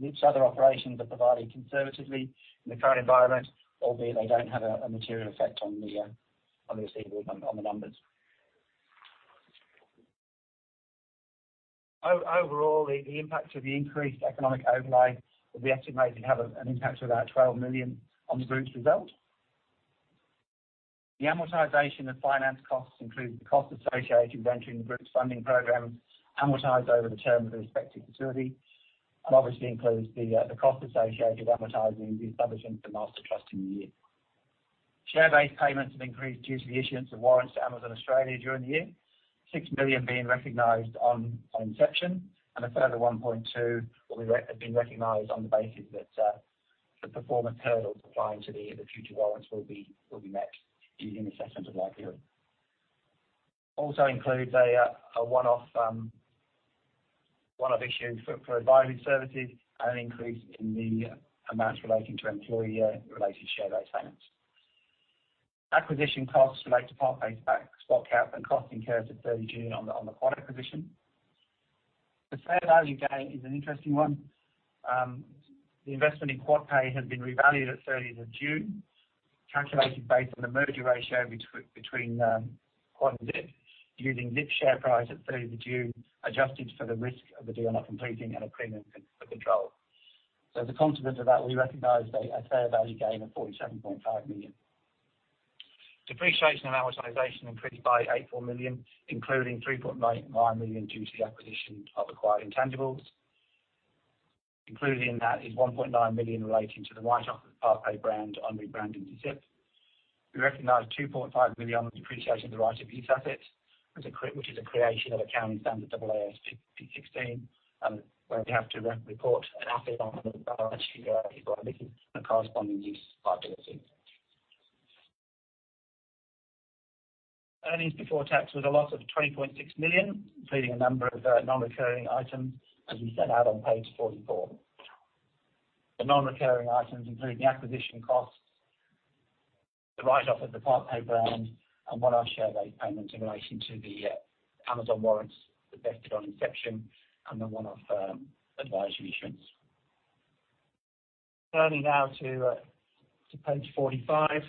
Zip's other operations are provided conservatively in the current environment, albeit they don't have a material effect on the receivable, on the numbers. Overall, the impact of the increased economic overlay will be estimated to have an impact of about 12 million on the group's result. The amortization of finance costs includes the costs associated with entering the group's funding program, amortized over the term of the respective facility, and obviously includes the cost associated with amortizing the establishment of the master trust in the year. Share-based payments have increased due to the issuance of warrants to Amazon Australia during the year, 6 million being recognized on inception, and a further 1.2 will have been recognized on the basis that the performance hurdles applying to the future warrants will be met using assessments of likelihood. Also includes a one-off issue for advisory services and an increase in the amounts relating to employee related share-based payments. Acquisition costs relate to PartPay, Spotcap, and costs incurred to 30 June on the QuadPay acquisition. The fair value gain is an interesting one. The investment in QuadPay has been revalued at 30th of June, calculated based on the merger ratio between Quad and Zip, using Zip share price at thirty of June, adjusted for the risk of the deal not completing and a premium for control. So as a consequence of that, we recognized a fair value gain of 47.5 million. Depreciation and amortization increased by 84 million, including 3.99 million due to the acquisition of acquired intangibles. Included in that is 1.9 million relating to the write-off of the PartPay brand on rebranding to Zip. We recognized 2.5 million on the depreciation of the right of use assets, as, which is a creation of accounting standard AASB 16, where we have to report an asset on the balance sheet, equaling the corresponding use liability. Earnings before tax was a loss of 20.6 million, including a number of non-recurring items, as we set out on page 44. The non-recurring items include the acquisition costs, the write-off of the PartPay brand, and one-off share-based payments in relation to the Amazon warrants, that vested on inception, and the one-off advisory issuance. Turning now to page 45.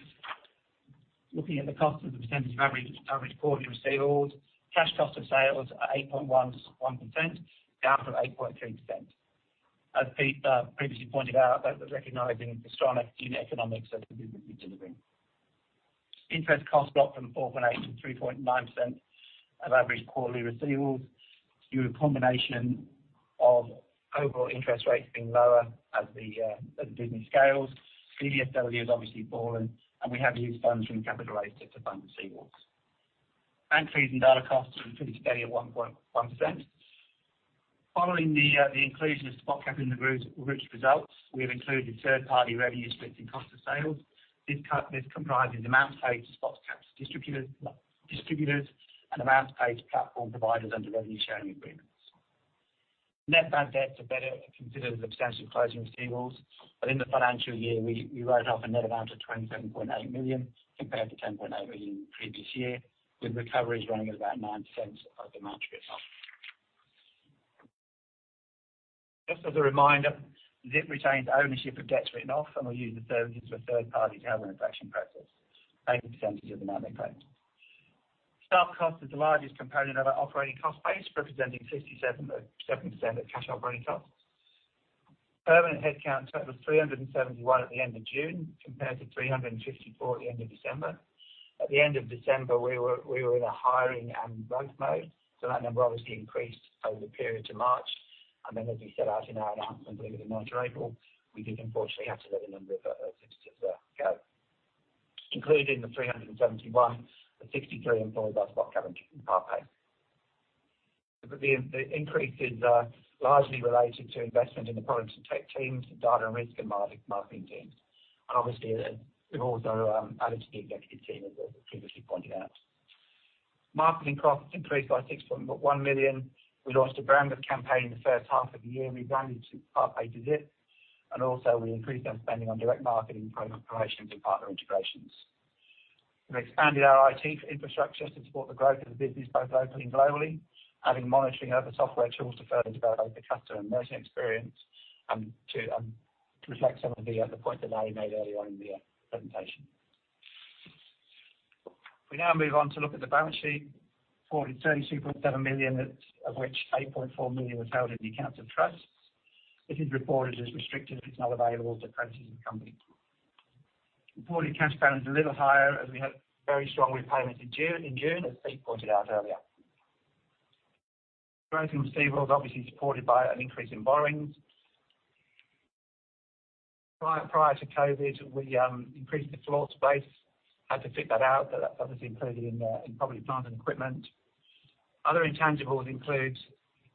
Looking at the cost of the percentage of average quarterly receivables, cash cost of sales are 8.11%, down from 8.3%. As Pete previously pointed out, that was recognizing the strong economics that the business is delivering. Interest costs dropped from 4.8% to 3.9% of average quarterly receivables, due to a combination of overall interest rates being lower as the business scales. BBSW has obviously fallen, and we have used funds from capital raise to fund receivables. Bank fees and data costs have pretty steady at 1.1%. Following the inclusion of Spotcap in the group's results, we have included third-party revenue split in cost of sales. This comprises amounts paid to Spotcap's distributors, and amounts paid to platform providers under revenue sharing agreements. Net bad debts are better considered as a percentage of closing receivables, but in the financial year, we wrote off a net amount of 27.8 million, compared to 10.8 million the previous year, with recoveries running at about 9% of the amount written off. Just as a reminder, Zip retains ownership of debts written off, and will use the services of a third-party debt collection agency, 80% of the amount they pay. Staff cost is the largest component of our operating cost base, representing 67% of cash operating costs. Permanent headcount total was 371 at the end of June, compared to 354 at the end of December. At the end of December, we were in a hiring and growth mode, so that number obviously increased over the period to March, and then as we set out in our announcement, I believe, in the ninth of April, we did unfortunately have to let a number of associates go. Including the 371, the 63 employed by Spotcap and PartPay. The increases are largely related to investment in the products and tech teams, data and risk, and marketing teams. Obviously, we've also added to the executive team, as I previously pointed out. Marketing costs increased by 6.1 million. We launched a brand new campaign in the first half of the year. We rebranded PartPay to Zip, and also we increased our spending on direct marketing promotions and partner integrations. We've expanded our IT infrastructure to support the growth of the business, both locally and globally, adding monitoring other software tools to further develop the customer and merchant experience, and to reflect some of the points that Larry made earlier on in the presentation. We now move on to look at the balance sheet. 42.7 million, of which 8.4 million was held in trust accounts. This is reported as restricted. It's not available to creditors of the company. Reported cash balance is a little higher, as we had very strong repayments in June, as Pete pointed out earlier. Growth in receivables obviously supported by an increase in borrowings. Prior to COVID, we increased the floor space. Had to fit that out, but that was included in the property, plant, and equipment. Other intangibles include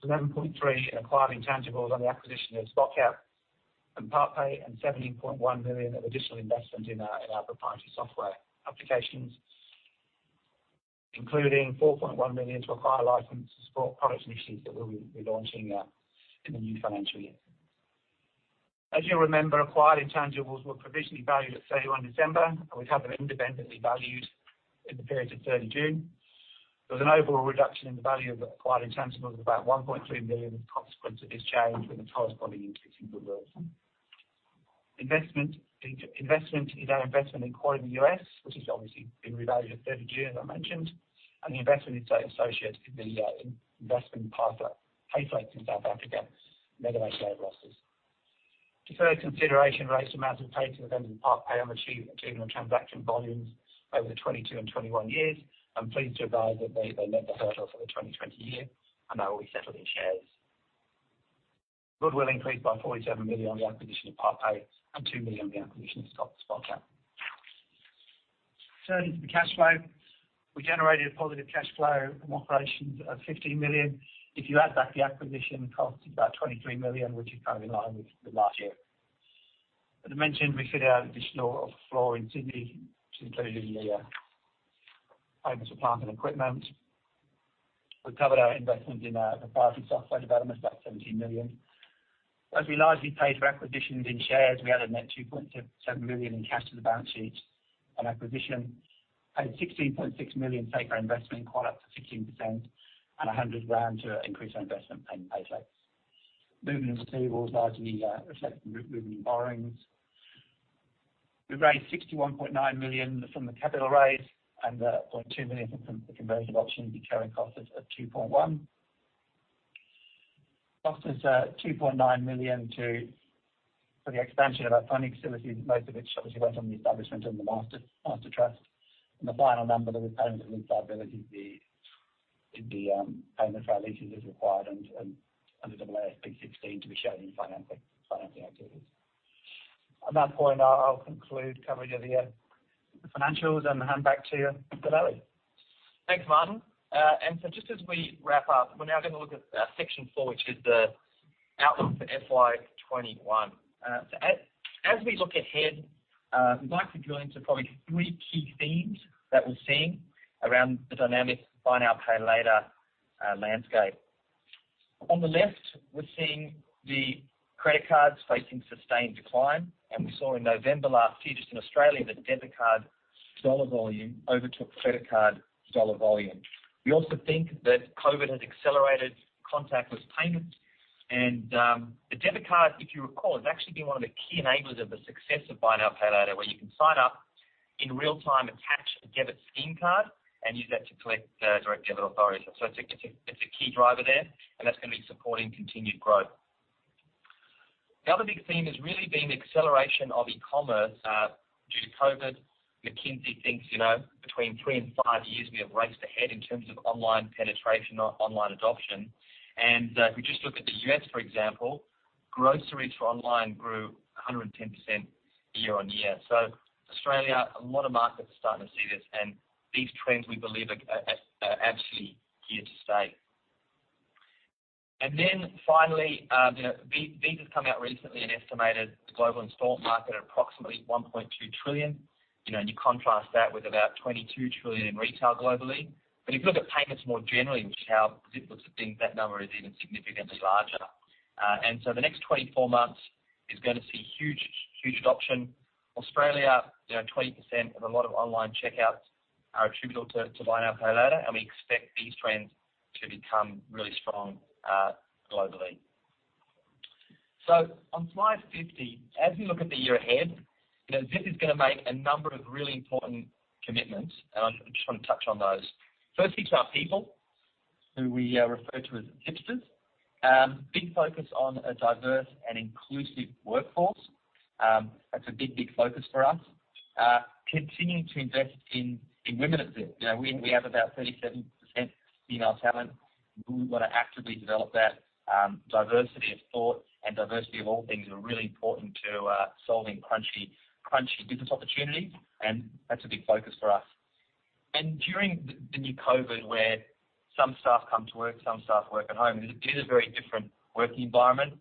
11.3 million in acquired intangibles on the acquisition of Spotcap and PartPay, and 17.1 million of additional investment in our proprietary software applications, including 4.1 million to acquire license to support products and initiatives that we'll be launching in the new financial year. As you'll remember, acquired intangibles were provisionally valued at 31 December, and we've had them independently valued in the period to 30 June. There was an overall reduction in the value of acquired intangibles of about 1.3 million, as a consequence of this change, and the corresponding increase in goodwill. Investment is our investment in QuadPay in the U.S., which has obviously been revalued at 30th June, as I mentioned, and the investment is associated with the investment in Payflex in South Africa, nevertheless made losses. Deferred consideration raised amounts paid to the vendor of PartPay on achieving their transaction volumes over the 2022 and 2021 years. I'm pleased to advise that they met the hurdle for the 2020 year, and they will be settled in shares. Goodwill increased by 47 million on the acquisition of PartPay, and 2 million on the acquisition of Spotcap. Turning to the cash flow, we generated a positive cash flow from operations of 15 million. If you add back the acquisition costs, about 23 million, which is kind of in line with the last year. As I mentioned, we fitted out additional floor in Sydney, which included the items of plant and equipment. We covered our investment in the proprietary software development, about 17 million. As we largely paid for acquisitions in shares, we had a net 2.7 million in cash on the balance sheet at acquisition, and 16.6 million paid for investment, quite up to 16%, and 100,000 to increase our investment in Payflex. Movement in receivables largely reflecting movement in borrowings. We raised 61.9 million from the capital raise and 0.2 million from the conversion of options, carrying costs of 2.1. Costs is 2.9 million for the expansion of our funding facilities, most of which obviously went on the establishment of the master trust. And the final number that was payment of lease liability, the payment for our leases as required and under the AASB 16 to be shown in financing activities. At that point, I'll conclude coverage of the financials and hand back to you, Larry or Finally. Thanks, Martin. And so just as we wrap up, we're now going to look at section four, which is the outlook for FY 2021. So as we look ahead, we'd like to drill into probably three key themes that we're seeing around the dynamic buy now, pay later landscape. On the left, we're seeing the credit cards facing sustained decline, and we saw in November last year, just in Australia, that debit card dollar volume overtook credit card dollar volume. We also think that COVID has accelerated contactless payments and the debit card, if you recall, has actually been one of the key enablers of the success of buy now, pay later, where you can sign up in real time, attach a debit scheme card and use that to collect direct debit authorization. It's a key driver there, and that's going to be supporting continued growth. The other big theme has really been the acceleration of e-commerce due to COVID. McKinsey thinks, you know, between three and five years, we have raced ahead in terms of online penetration or online adoption. And if we just look at the U.S., for example, groceries for online grew 110% year on year. Australia, a lot of markets are starting to see this, and these trends, we believe, are absolutely here to stay. And then finally, you know, Visa's come out recently and estimated the global installment market at approximately 1.2 trillion. You know, and you contrast that with about 22 trillion in retail globally. But if you look at payments more generally, which is how Zip looks at things, that number is even significantly larger. And so the next 24 months is going to see huge, huge adoption. Australia, you know, 20% of a lot of online checkouts are attributable to buy now, pay later, and we expect these trends to become really strong globally. So on slide 50, as we look at the year ahead, you know, Zip is going to make a number of really important commitments, and I just want to touch on those. Firstly, to our people, who we refer to as Zipsters. Big focus on a diverse and inclusive workforce. That's a big, big focus for us. Continuing to invest in women at Zip. You know, we have about 37% female talent. We want to actively develop that. Diversity of thought and diversity of all things are really important to solving crunchy business opportunities, and that's a big focus for us, and during the new COVID, where some staff come to work, some staff work at home, it is a very different working environment,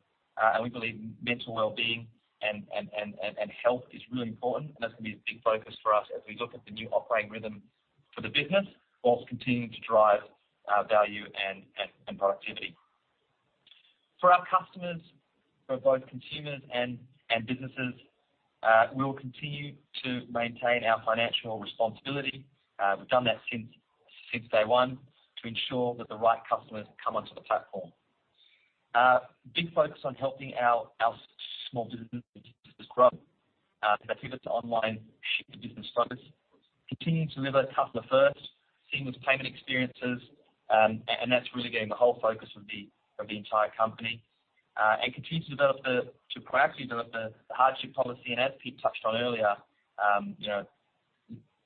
and we believe mental wellbeing and health is really important, and that's going to be a big focus for us as we look at the new operating rhythm for the business, whilst continuing to drive value and productivity. For our customers, for both consumers and businesses, we will continue to maintain our financial responsibility. We've done that since day one, to ensure that the right customers come onto the platform. Big focus on helping our small businesses grow. As I said, that's online business growth. Continuing to deliver customer-first seamless payment experiences, and that's really been the whole focus of the entire company. And continue to proactively develop the hardship policy. And as Pete touched on earlier, you know,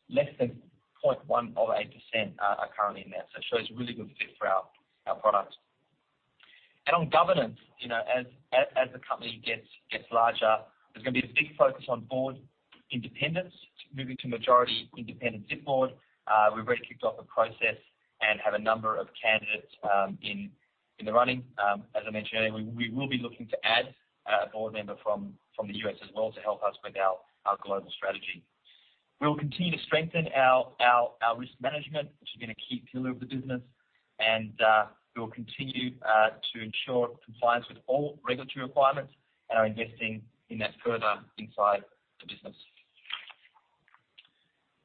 less than 0.18% are currently in there, so it shows a really good fit for our product. And on governance, you know, as the company gets larger, there's going to be a big focus on board independence, moving to majority independent Zip board. We've already kicked off the process and have a number of candidates in the running. As I mentioned earlier, we will be looking to add a board member from the U.S. as well to help us with our global strategy. We'll continue to strengthen our risk management, which is going to be a key pillar of the business, and we'll continue to ensure compliance with all regulatory requirements and are investing in that further inside the business.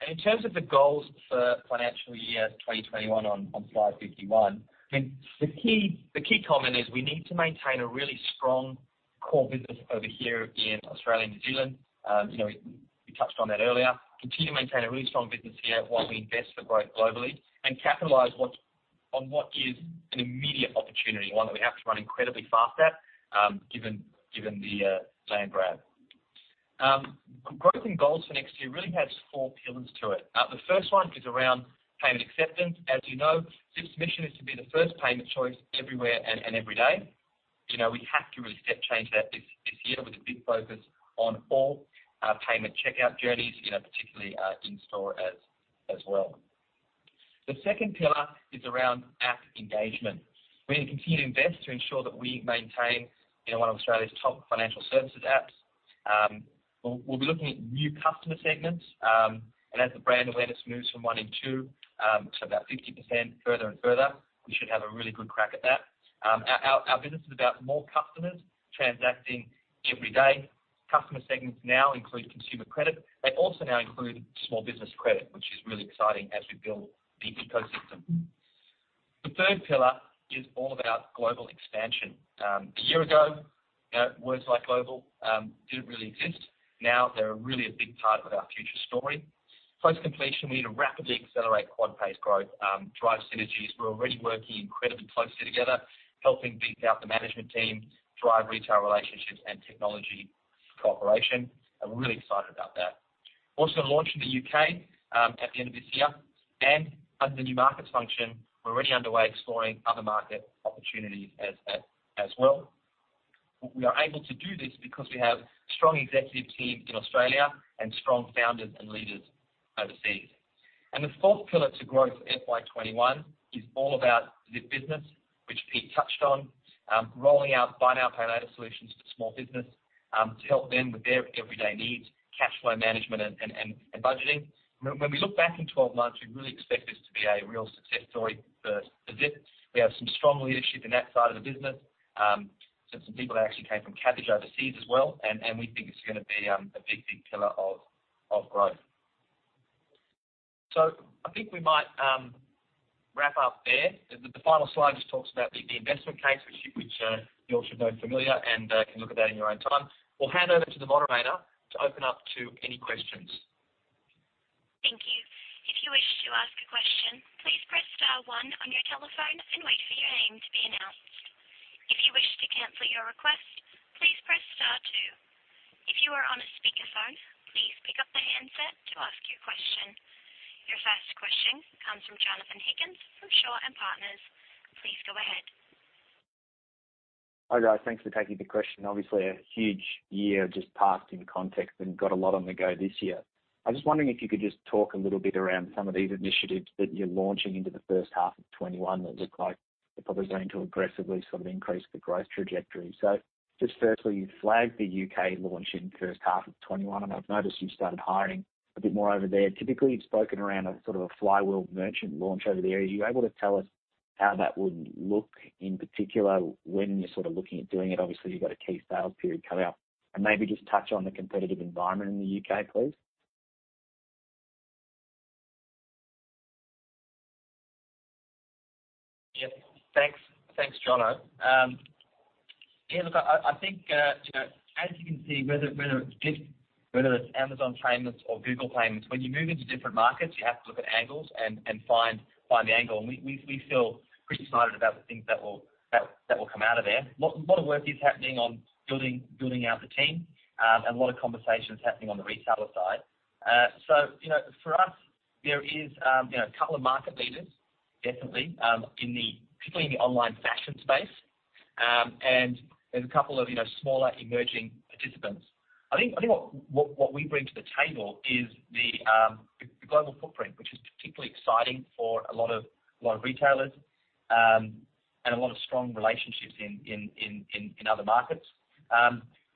And in terms of the goals for financial year 2021 on slide 51, I mean, the key comment is we need to maintain a really strong core business over here in Australia and New Zealand. You know, we touched on that earlier. Continue to maintain a really strong business here while we invest for growth globally and capitalize on what is an immediate opportunity, one that we have to run incredibly fast at, given the land grab. Growth and goals for next year really has four pillars to it. The first one is around payment acceptance. As you know, Zip's mission is to be the first payment choice everywhere and every day. You know, we have to really step change that this year with a big focus on all payment checkout journeys, you know, particularly in-store as well. The second pillar is around app engagement. We're going to continue to invest to ensure that we maintain, you know, one of Australia's top financial services apps. We'll be looking at new customer segments, and as the brand awareness moves from one in two, to about 50% further and further, we should have a really good crack at that. Our business is about more customers transacting every day. Customer segments now include consumer credit. They also now include small business credit, which is really exciting as we build the ecosystem. The third pillar is all about global expansion. A year ago, you know, words like global didn't really exist. Now they're really a big part of our future story. Post-completion, we need to rapidly accelerate QuadPay's growth, drive synergies. We're already working incredibly closely together, helping beef up the management team, drive retail relationships and technology cooperation, and we're really excited about that. Also launch in the U.K. at the end of this year, and under the new markets function, we're already underway exploring other market opportunities as well. We are able to do this because we have strong executive teams in Australia and strong founders and leaders overseas. And the fourth pillar to growth for FY 2021 is all about the business, which Pete touched on, rolling out buy now, pay later solutions to small business, to help them with their everyday needs, cash flow management, and budgeting. When we look back in 12 months, we really expect this to be a real success story for Zip. We have some strong leadership in that side of the business, so some people that actually came from Kabbage overseas as well, and we think it's gonna be a big pillar of growth, so I think we might wrap up there. The final slide just talks about the investment case, which you all should be familiar and can look at that in your own time. We'll hand over to the moderator to open up to any questions. Thank you. If you wish to ask a question, please press star one on your telephone and wait for your name to be announced. If you wish to cancel your request, please press star two. If you are on a speakerphone, please pick up the handset to ask your question. Your first question comes from Jonathan Higgins, from Shaw and Partners. Please go ahead. Hi, guys. Thanks for taking the question. Obviously, a huge year just passed in context and got a lot on the go this year. I was just wondering if you could just talk a little bit around some of these initiatives that you're launching into the first half of 2021 that look like they're probably going to aggressively sort of increase the growth trajectory. So just firstly, you flagged the U.K. launch in first half of 2021, and I've noticed you've started hiring a bit more over there. Typically, you've spoken around a sort of a flywheel merchant launch over the area. Are you able to tell us how that would look, in particular, when you're sort of looking at doing it? Obviously, you've got a key sales period coming up. And maybe just touch on the competitive environment in the U.K., please. Yep. Thanks. Thanks, Jono. Yeah, look, I think you know, as you can see, whether it's Zip, whether it's Amazon Payments or Google Payments, when you move into different markets, you have to look at angles and find the angle. And we feel pretty excited about the things that will come out of there. A lot of work is happening on building out the team, and a lot of conversations happening on the retailer side. So, you know, for us, there is, you know, a couple of market leaders, definitely, in, particularly in the online fashion space, and there's a couple of, you know, smaller, emerging participants. I think what we bring to the table is the global footprint, which is particularly exciting for a lot of retailers and a lot of strong relationships in other markets.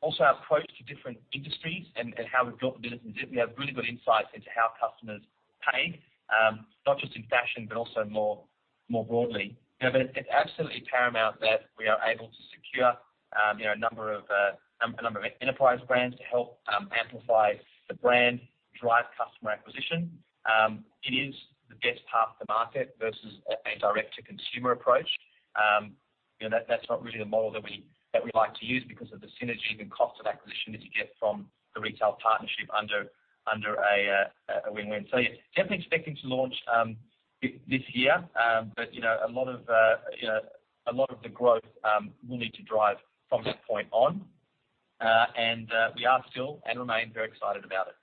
Also our approach to different industries and how we've built the business is we have really good insights into how customers pay, not just in fashion, but also more broadly. You know, but it's absolutely paramount that we are able to secure a number of enterprise brands to help amplify the brand, drive customer acquisition. It is the best path to market versus a direct-to-consumer approach. You know, that's not really the model that we like to use because of the synergy and cost of acquisition that you get from the retail partnership under a win-win, so yeah, definitely expecting to launch this year, but you know, a lot of the growth will need to drive from that point on, and we are still and remain very excited about it.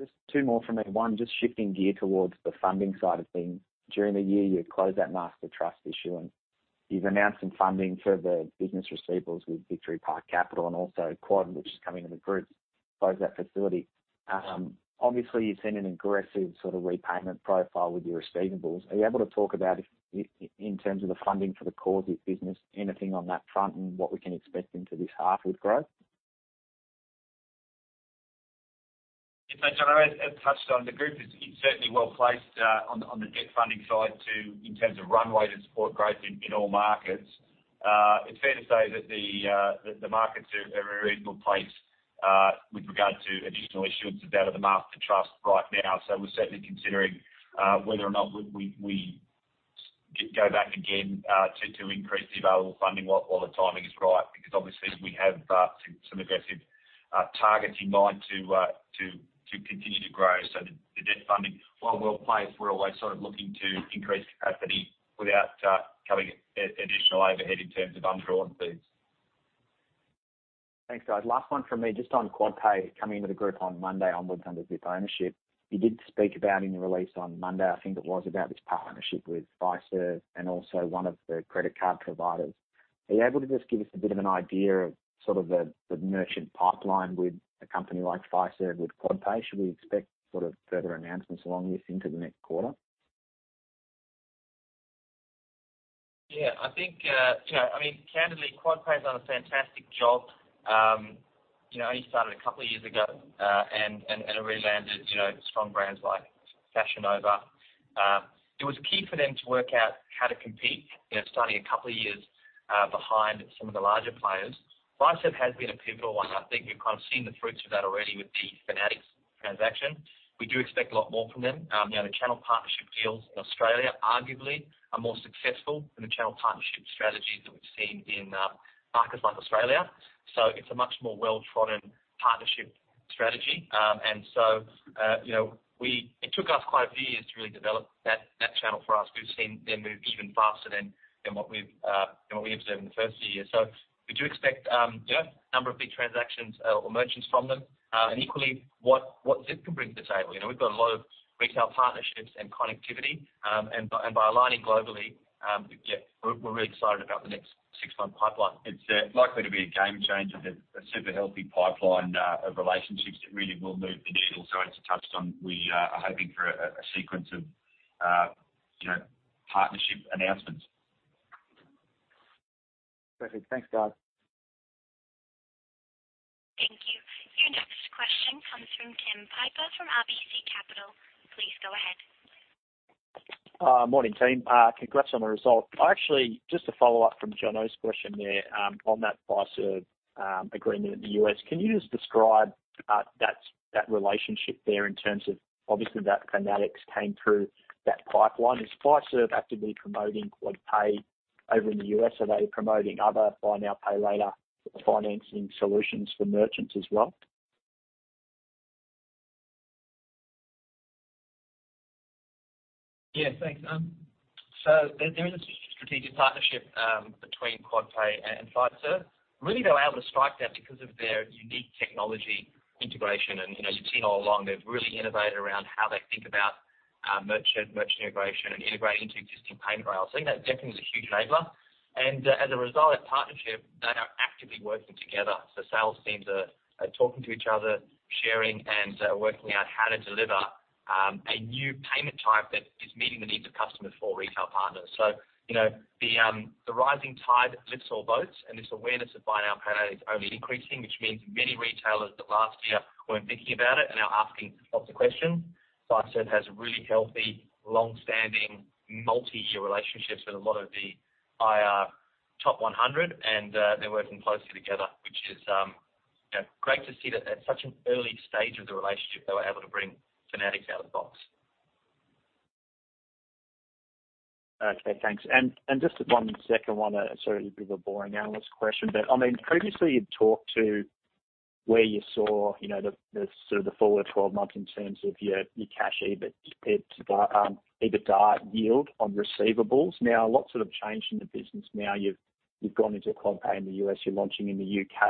Just two more from me. One, just shifting gear towards the funding side of things. During the year, you closed that master trust issue, and you've announced some funding for the business receivables with Victory Park Capital and also Quad, which is coming in the group, close that facility. Obviously, you've seen an aggressive sort of repayment profile with your receivables. Are you able to talk about, in terms of the funding for the core of your business, anything on that front and what we can expect into this half with growth? Yeah, Jono, as touched on, the group is certainly well placed on the debt funding side in terms of runway to support growth in all markets. It's fair to say that the markets are in a reasonable place with regard to additional issuance out of the master trust right now. So we're certainly considering whether or not we go back again to increase the available funding while the timing is right, because obviously we have some aggressive targets in mind to continue to grow. So the debt funding, while we're placed, we're always sort of looking to increase capacity without carrying additional overhead in terms of undrawn fees. Thanks, guys. Last one from me, just on QuadPay coming into the group on Monday onwards under Zip ownership. You did speak about in your release on Monday, I think it was, about this partnership with Fiserv and also one of the credit card providers. Are you able to just give us a bit of an idea of sort of the, the merchant pipeline with a company like Fiserv with QuadPay? Should we expect sort of further announcements along this into the next quarter?... Yeah, I think, you know, I mean, candidly, QuadPay's done a fantastic job. You know, only started a couple of years ago, and it rebranded, you know, strong brands like Fashion Nova. It was key for them to work out how to compete, you know, starting a couple of years behind some of the larger players. Fiserv has been a pivotal one. I think we've kind of seen the fruits of that already with the Fanatics transaction. We do expect a lot more from them. You know, the channel partnership deals in Australia arguably are more successful than the channel partnership strategies that we've seen in markets like Australia. So it's a much more well-trodden partnership strategy. And so, you know, it took us quite a few years to really develop that channel for us. We've seen them move even faster than what we observed in the first few years. So we do expect, you know, a number of big transactions or merchants from them, and equally what Zip can bring to the table. You know, we've got a lot of retail partnerships and connectivity, and by aligning globally, yeah, we're really excited about the next six-month pipeline. It's likely to be a game changer, a super healthy pipeline of relationships that really will move the needle. So as you touched on, we are hoping for a sequence of, you know, partnership announcements. Perfect. Thanks, guys. Thank you. Your next question comes from Tim Piper from RBC Capital. Please go ahead. Morning, team. Congrats on the result. I actually, just to follow up from Jono's question there, on that Fiserv agreement in the U.S., can you just describe that relationship there in terms of obviously, that Fanatics came through that pipeline? Is Fiserv actively promoting QuadPay over in the U.S.? Are they promoting other buy now, pay later financing solutions for merchants as well? Yeah, thanks, so there is a strategic partnership between QuadPay and Fiserv. Really, they were able to strike that because of their unique technology integration, and you know, you've seen all along, they've really innovated around how they think about merchant integration and integrating into existing payment rails, so I think that definitely is a huge enabler, and as a result of that partnership, they are actively working together, so sales teams are talking to each other, sharing, and working out how to deliver a new payment type that is meeting the needs of customers for retail partners, so you know, the rising tide lifts all boats, and this awareness of buy now, pay later is only increasing, which means many retailers that last year weren't thinking about it are now asking lots of questions. Fiserv has really healthy, long-standing, multi-year relationships with a lot of the S&P top 100, and, they're working closely together, which is, you know, great to see that at such an early stage of the relationship, they were able to bring Fanatics out of the box. Okay, thanks. And just one second, one, sorry, a bit of a boring analyst question, but I mean, previously you'd talked to where you saw, you know, the sort of the forward twelve months in terms of your, your cash EBITDA, EBITDA yield on receivables. Now, a lot sort of changed in the business now, you've gone into QuadPay in the U.S., you're launching in the U.K.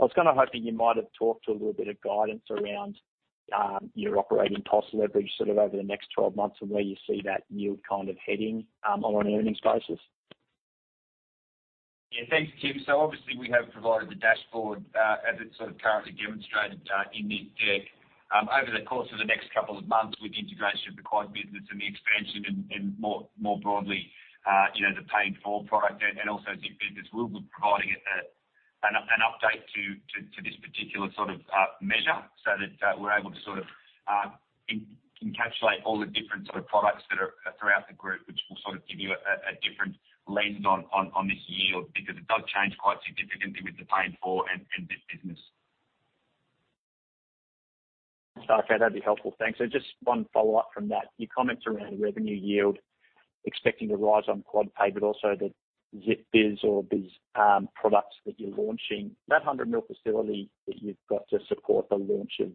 I was kind of hoping you might have talked a little bit of guidance around, your operating cost leverage sort of over the next 12 months and where you see that yield kind of heading, on an earnings basis. Yeah. Thanks, Tim. So obviously, we have provided the dashboard, as it's sort of currently demonstrated, in the deck. Over the course of the next couple of months, with the integration of the Quad business and the expansion and more broadly, you know, the Pay in 4 product and also Zip Business, we'll be providing an update to this particular sort of measure, so that we're able to sort of encapsulate all the different sort of products that are throughout the group, which will sort of give you a different lens on this yield. Because it does change quite significantly with the Pay in 4 and Zip Business. Okay, that'd be helpful. Thanks. Just one follow-up from that. Your comments around the revenue yield, expecting a rise on QuadPay, but also the Zip Biz or Biz products that you're launching. That 100 million facility that you've got to support the launch of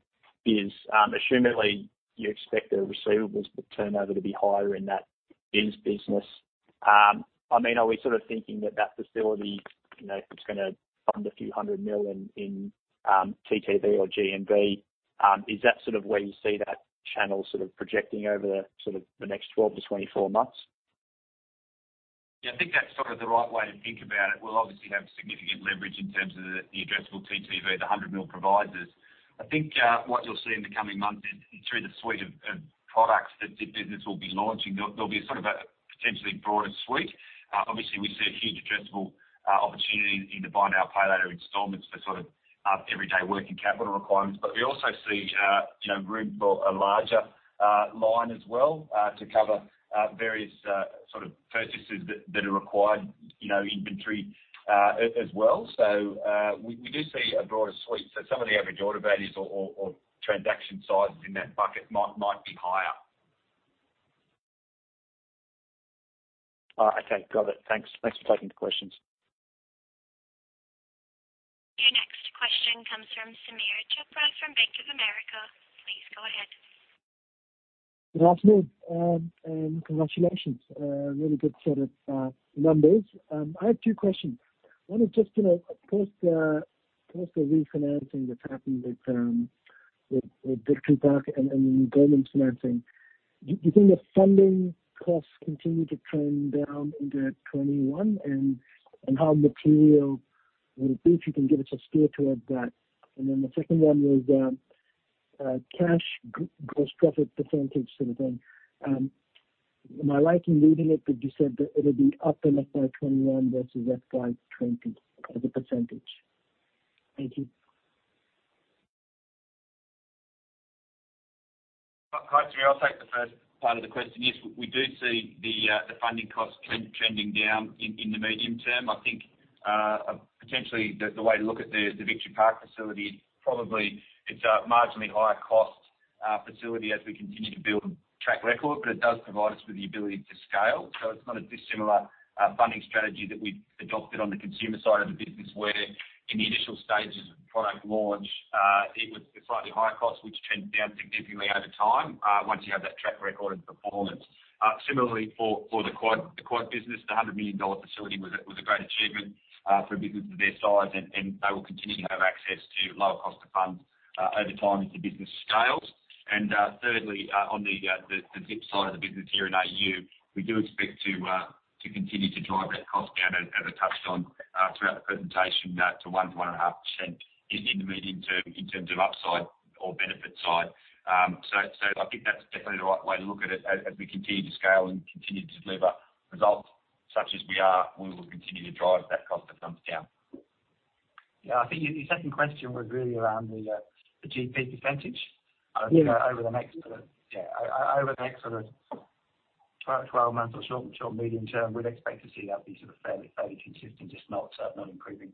Biz, assumedly, you expect the receivables turnover to be higher in that Biz business. I mean, are we sort of thinking that that facility, you know, it's gonna fund a few hundred million in TTV or GMV? Is that sort of where you see that channel sort of projecting over the sort of next 12 to 24 months? Yeah, I think that's sort of the right way to think about it. We'll obviously have significant leverage in terms of the addressable TTV the 100 million provides us. I think what you'll see in the coming months is, through the suite of products that Zip Business will be launching, there'll be sort of a potentially broader suite. Obviously, we see a huge addressable opportunity into buy now, pay later installments for sort of everyday working capital requirements. But we also see, you know, room for a larger line as well to cover various sort of purchases that are required, you know, inventory as well. So we do see a broader suite. So some of the average order values or transaction sizes in that bucket might be higher. Okay. Got it. Thanks. Thanks for taking the questions. Your next question comes from Sameer Chopra from Bank of America. Please go ahead. Good afternoon, and congratulations. Really good set of numbers. I have two questions. One is just, you know, of course the refinancing that's happened with Victory Park and the government financing, do you think the funding costs continue to trend down into 2021? And how material would it be, if you can give us a steer towards that. And then the second one was cash gross profit percentage sort of thing. Am I right in reading it that you said that it'll be up in the FY 2021 versus FY 2020 as a percentage? Thank you. Hi, sorry, I'll take the first part of the question. Yes, we do see the funding costs trending down in the medium term. I think, potentially, the way to look at the Victory Park facility, probably it's a marginally higher cost facility as we continue to build track record, but it does provide us with the ability to scale. So it's not a dissimilar funding strategy that we've adopted on the consumer side of the business, where in the initial stages of product launch, it was a slightly higher cost, which trend down significantly over time, once you have that track record of performance. Similarly, for the QuadPay business, the $100 million facility was a great achievement for a business of their size. And they will continue to have access to lower cost of funds over time as the business scales. And thirdly, on the Zip side of the business here in AU, we do expect to continue to drive that cost down, as I touched on throughout the presentation, to 1-1.5% in the medium term, in terms of upside or benefit side. So I think that's definitely the right way to look at it as we continue to scale and continue to deliver results, such as we are. We will continue to drive that cost of funds down. Yeah, I think your second question was really around the GP percentage. Yeah. Over the next sort of 12 months or short, medium term, we'd expect to see that be sort of fairly consistent, just not improving.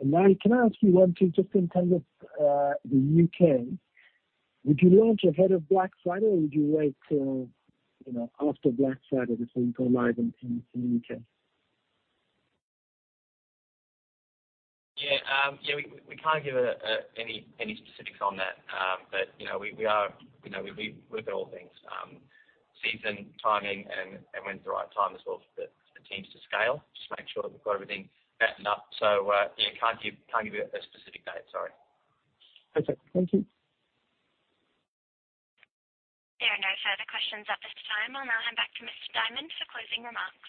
Then can I ask you one, too, just in terms of the U.K.? Would you launch ahead of Black Friday, or would you wait till, you know, after Black Friday before you go live in the U.K.? Yeah, we can't give any specifics on that, but you know, we are, you know, we look at all things, season, timing, and when's the right time as well for the teams to scale. Just make sure that we've got everything battened up. Yeah, can't give you a specific date. Sorry. That's it. Thank you. There are no further questions at this time. I'll now hand back to Mr. Diamond for closing remarks.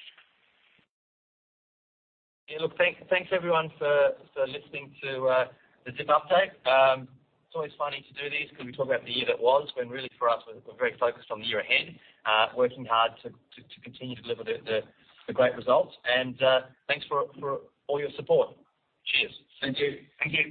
Yeah, look, thanks, everyone, for listening to the Zip update. It's always funny to do these, because we talk about the year that was, when really for us, we're very focused on the year ahead. Working hard to continue to deliver the great results. Thanks for all your support. Cheers. Thank you. Thank you.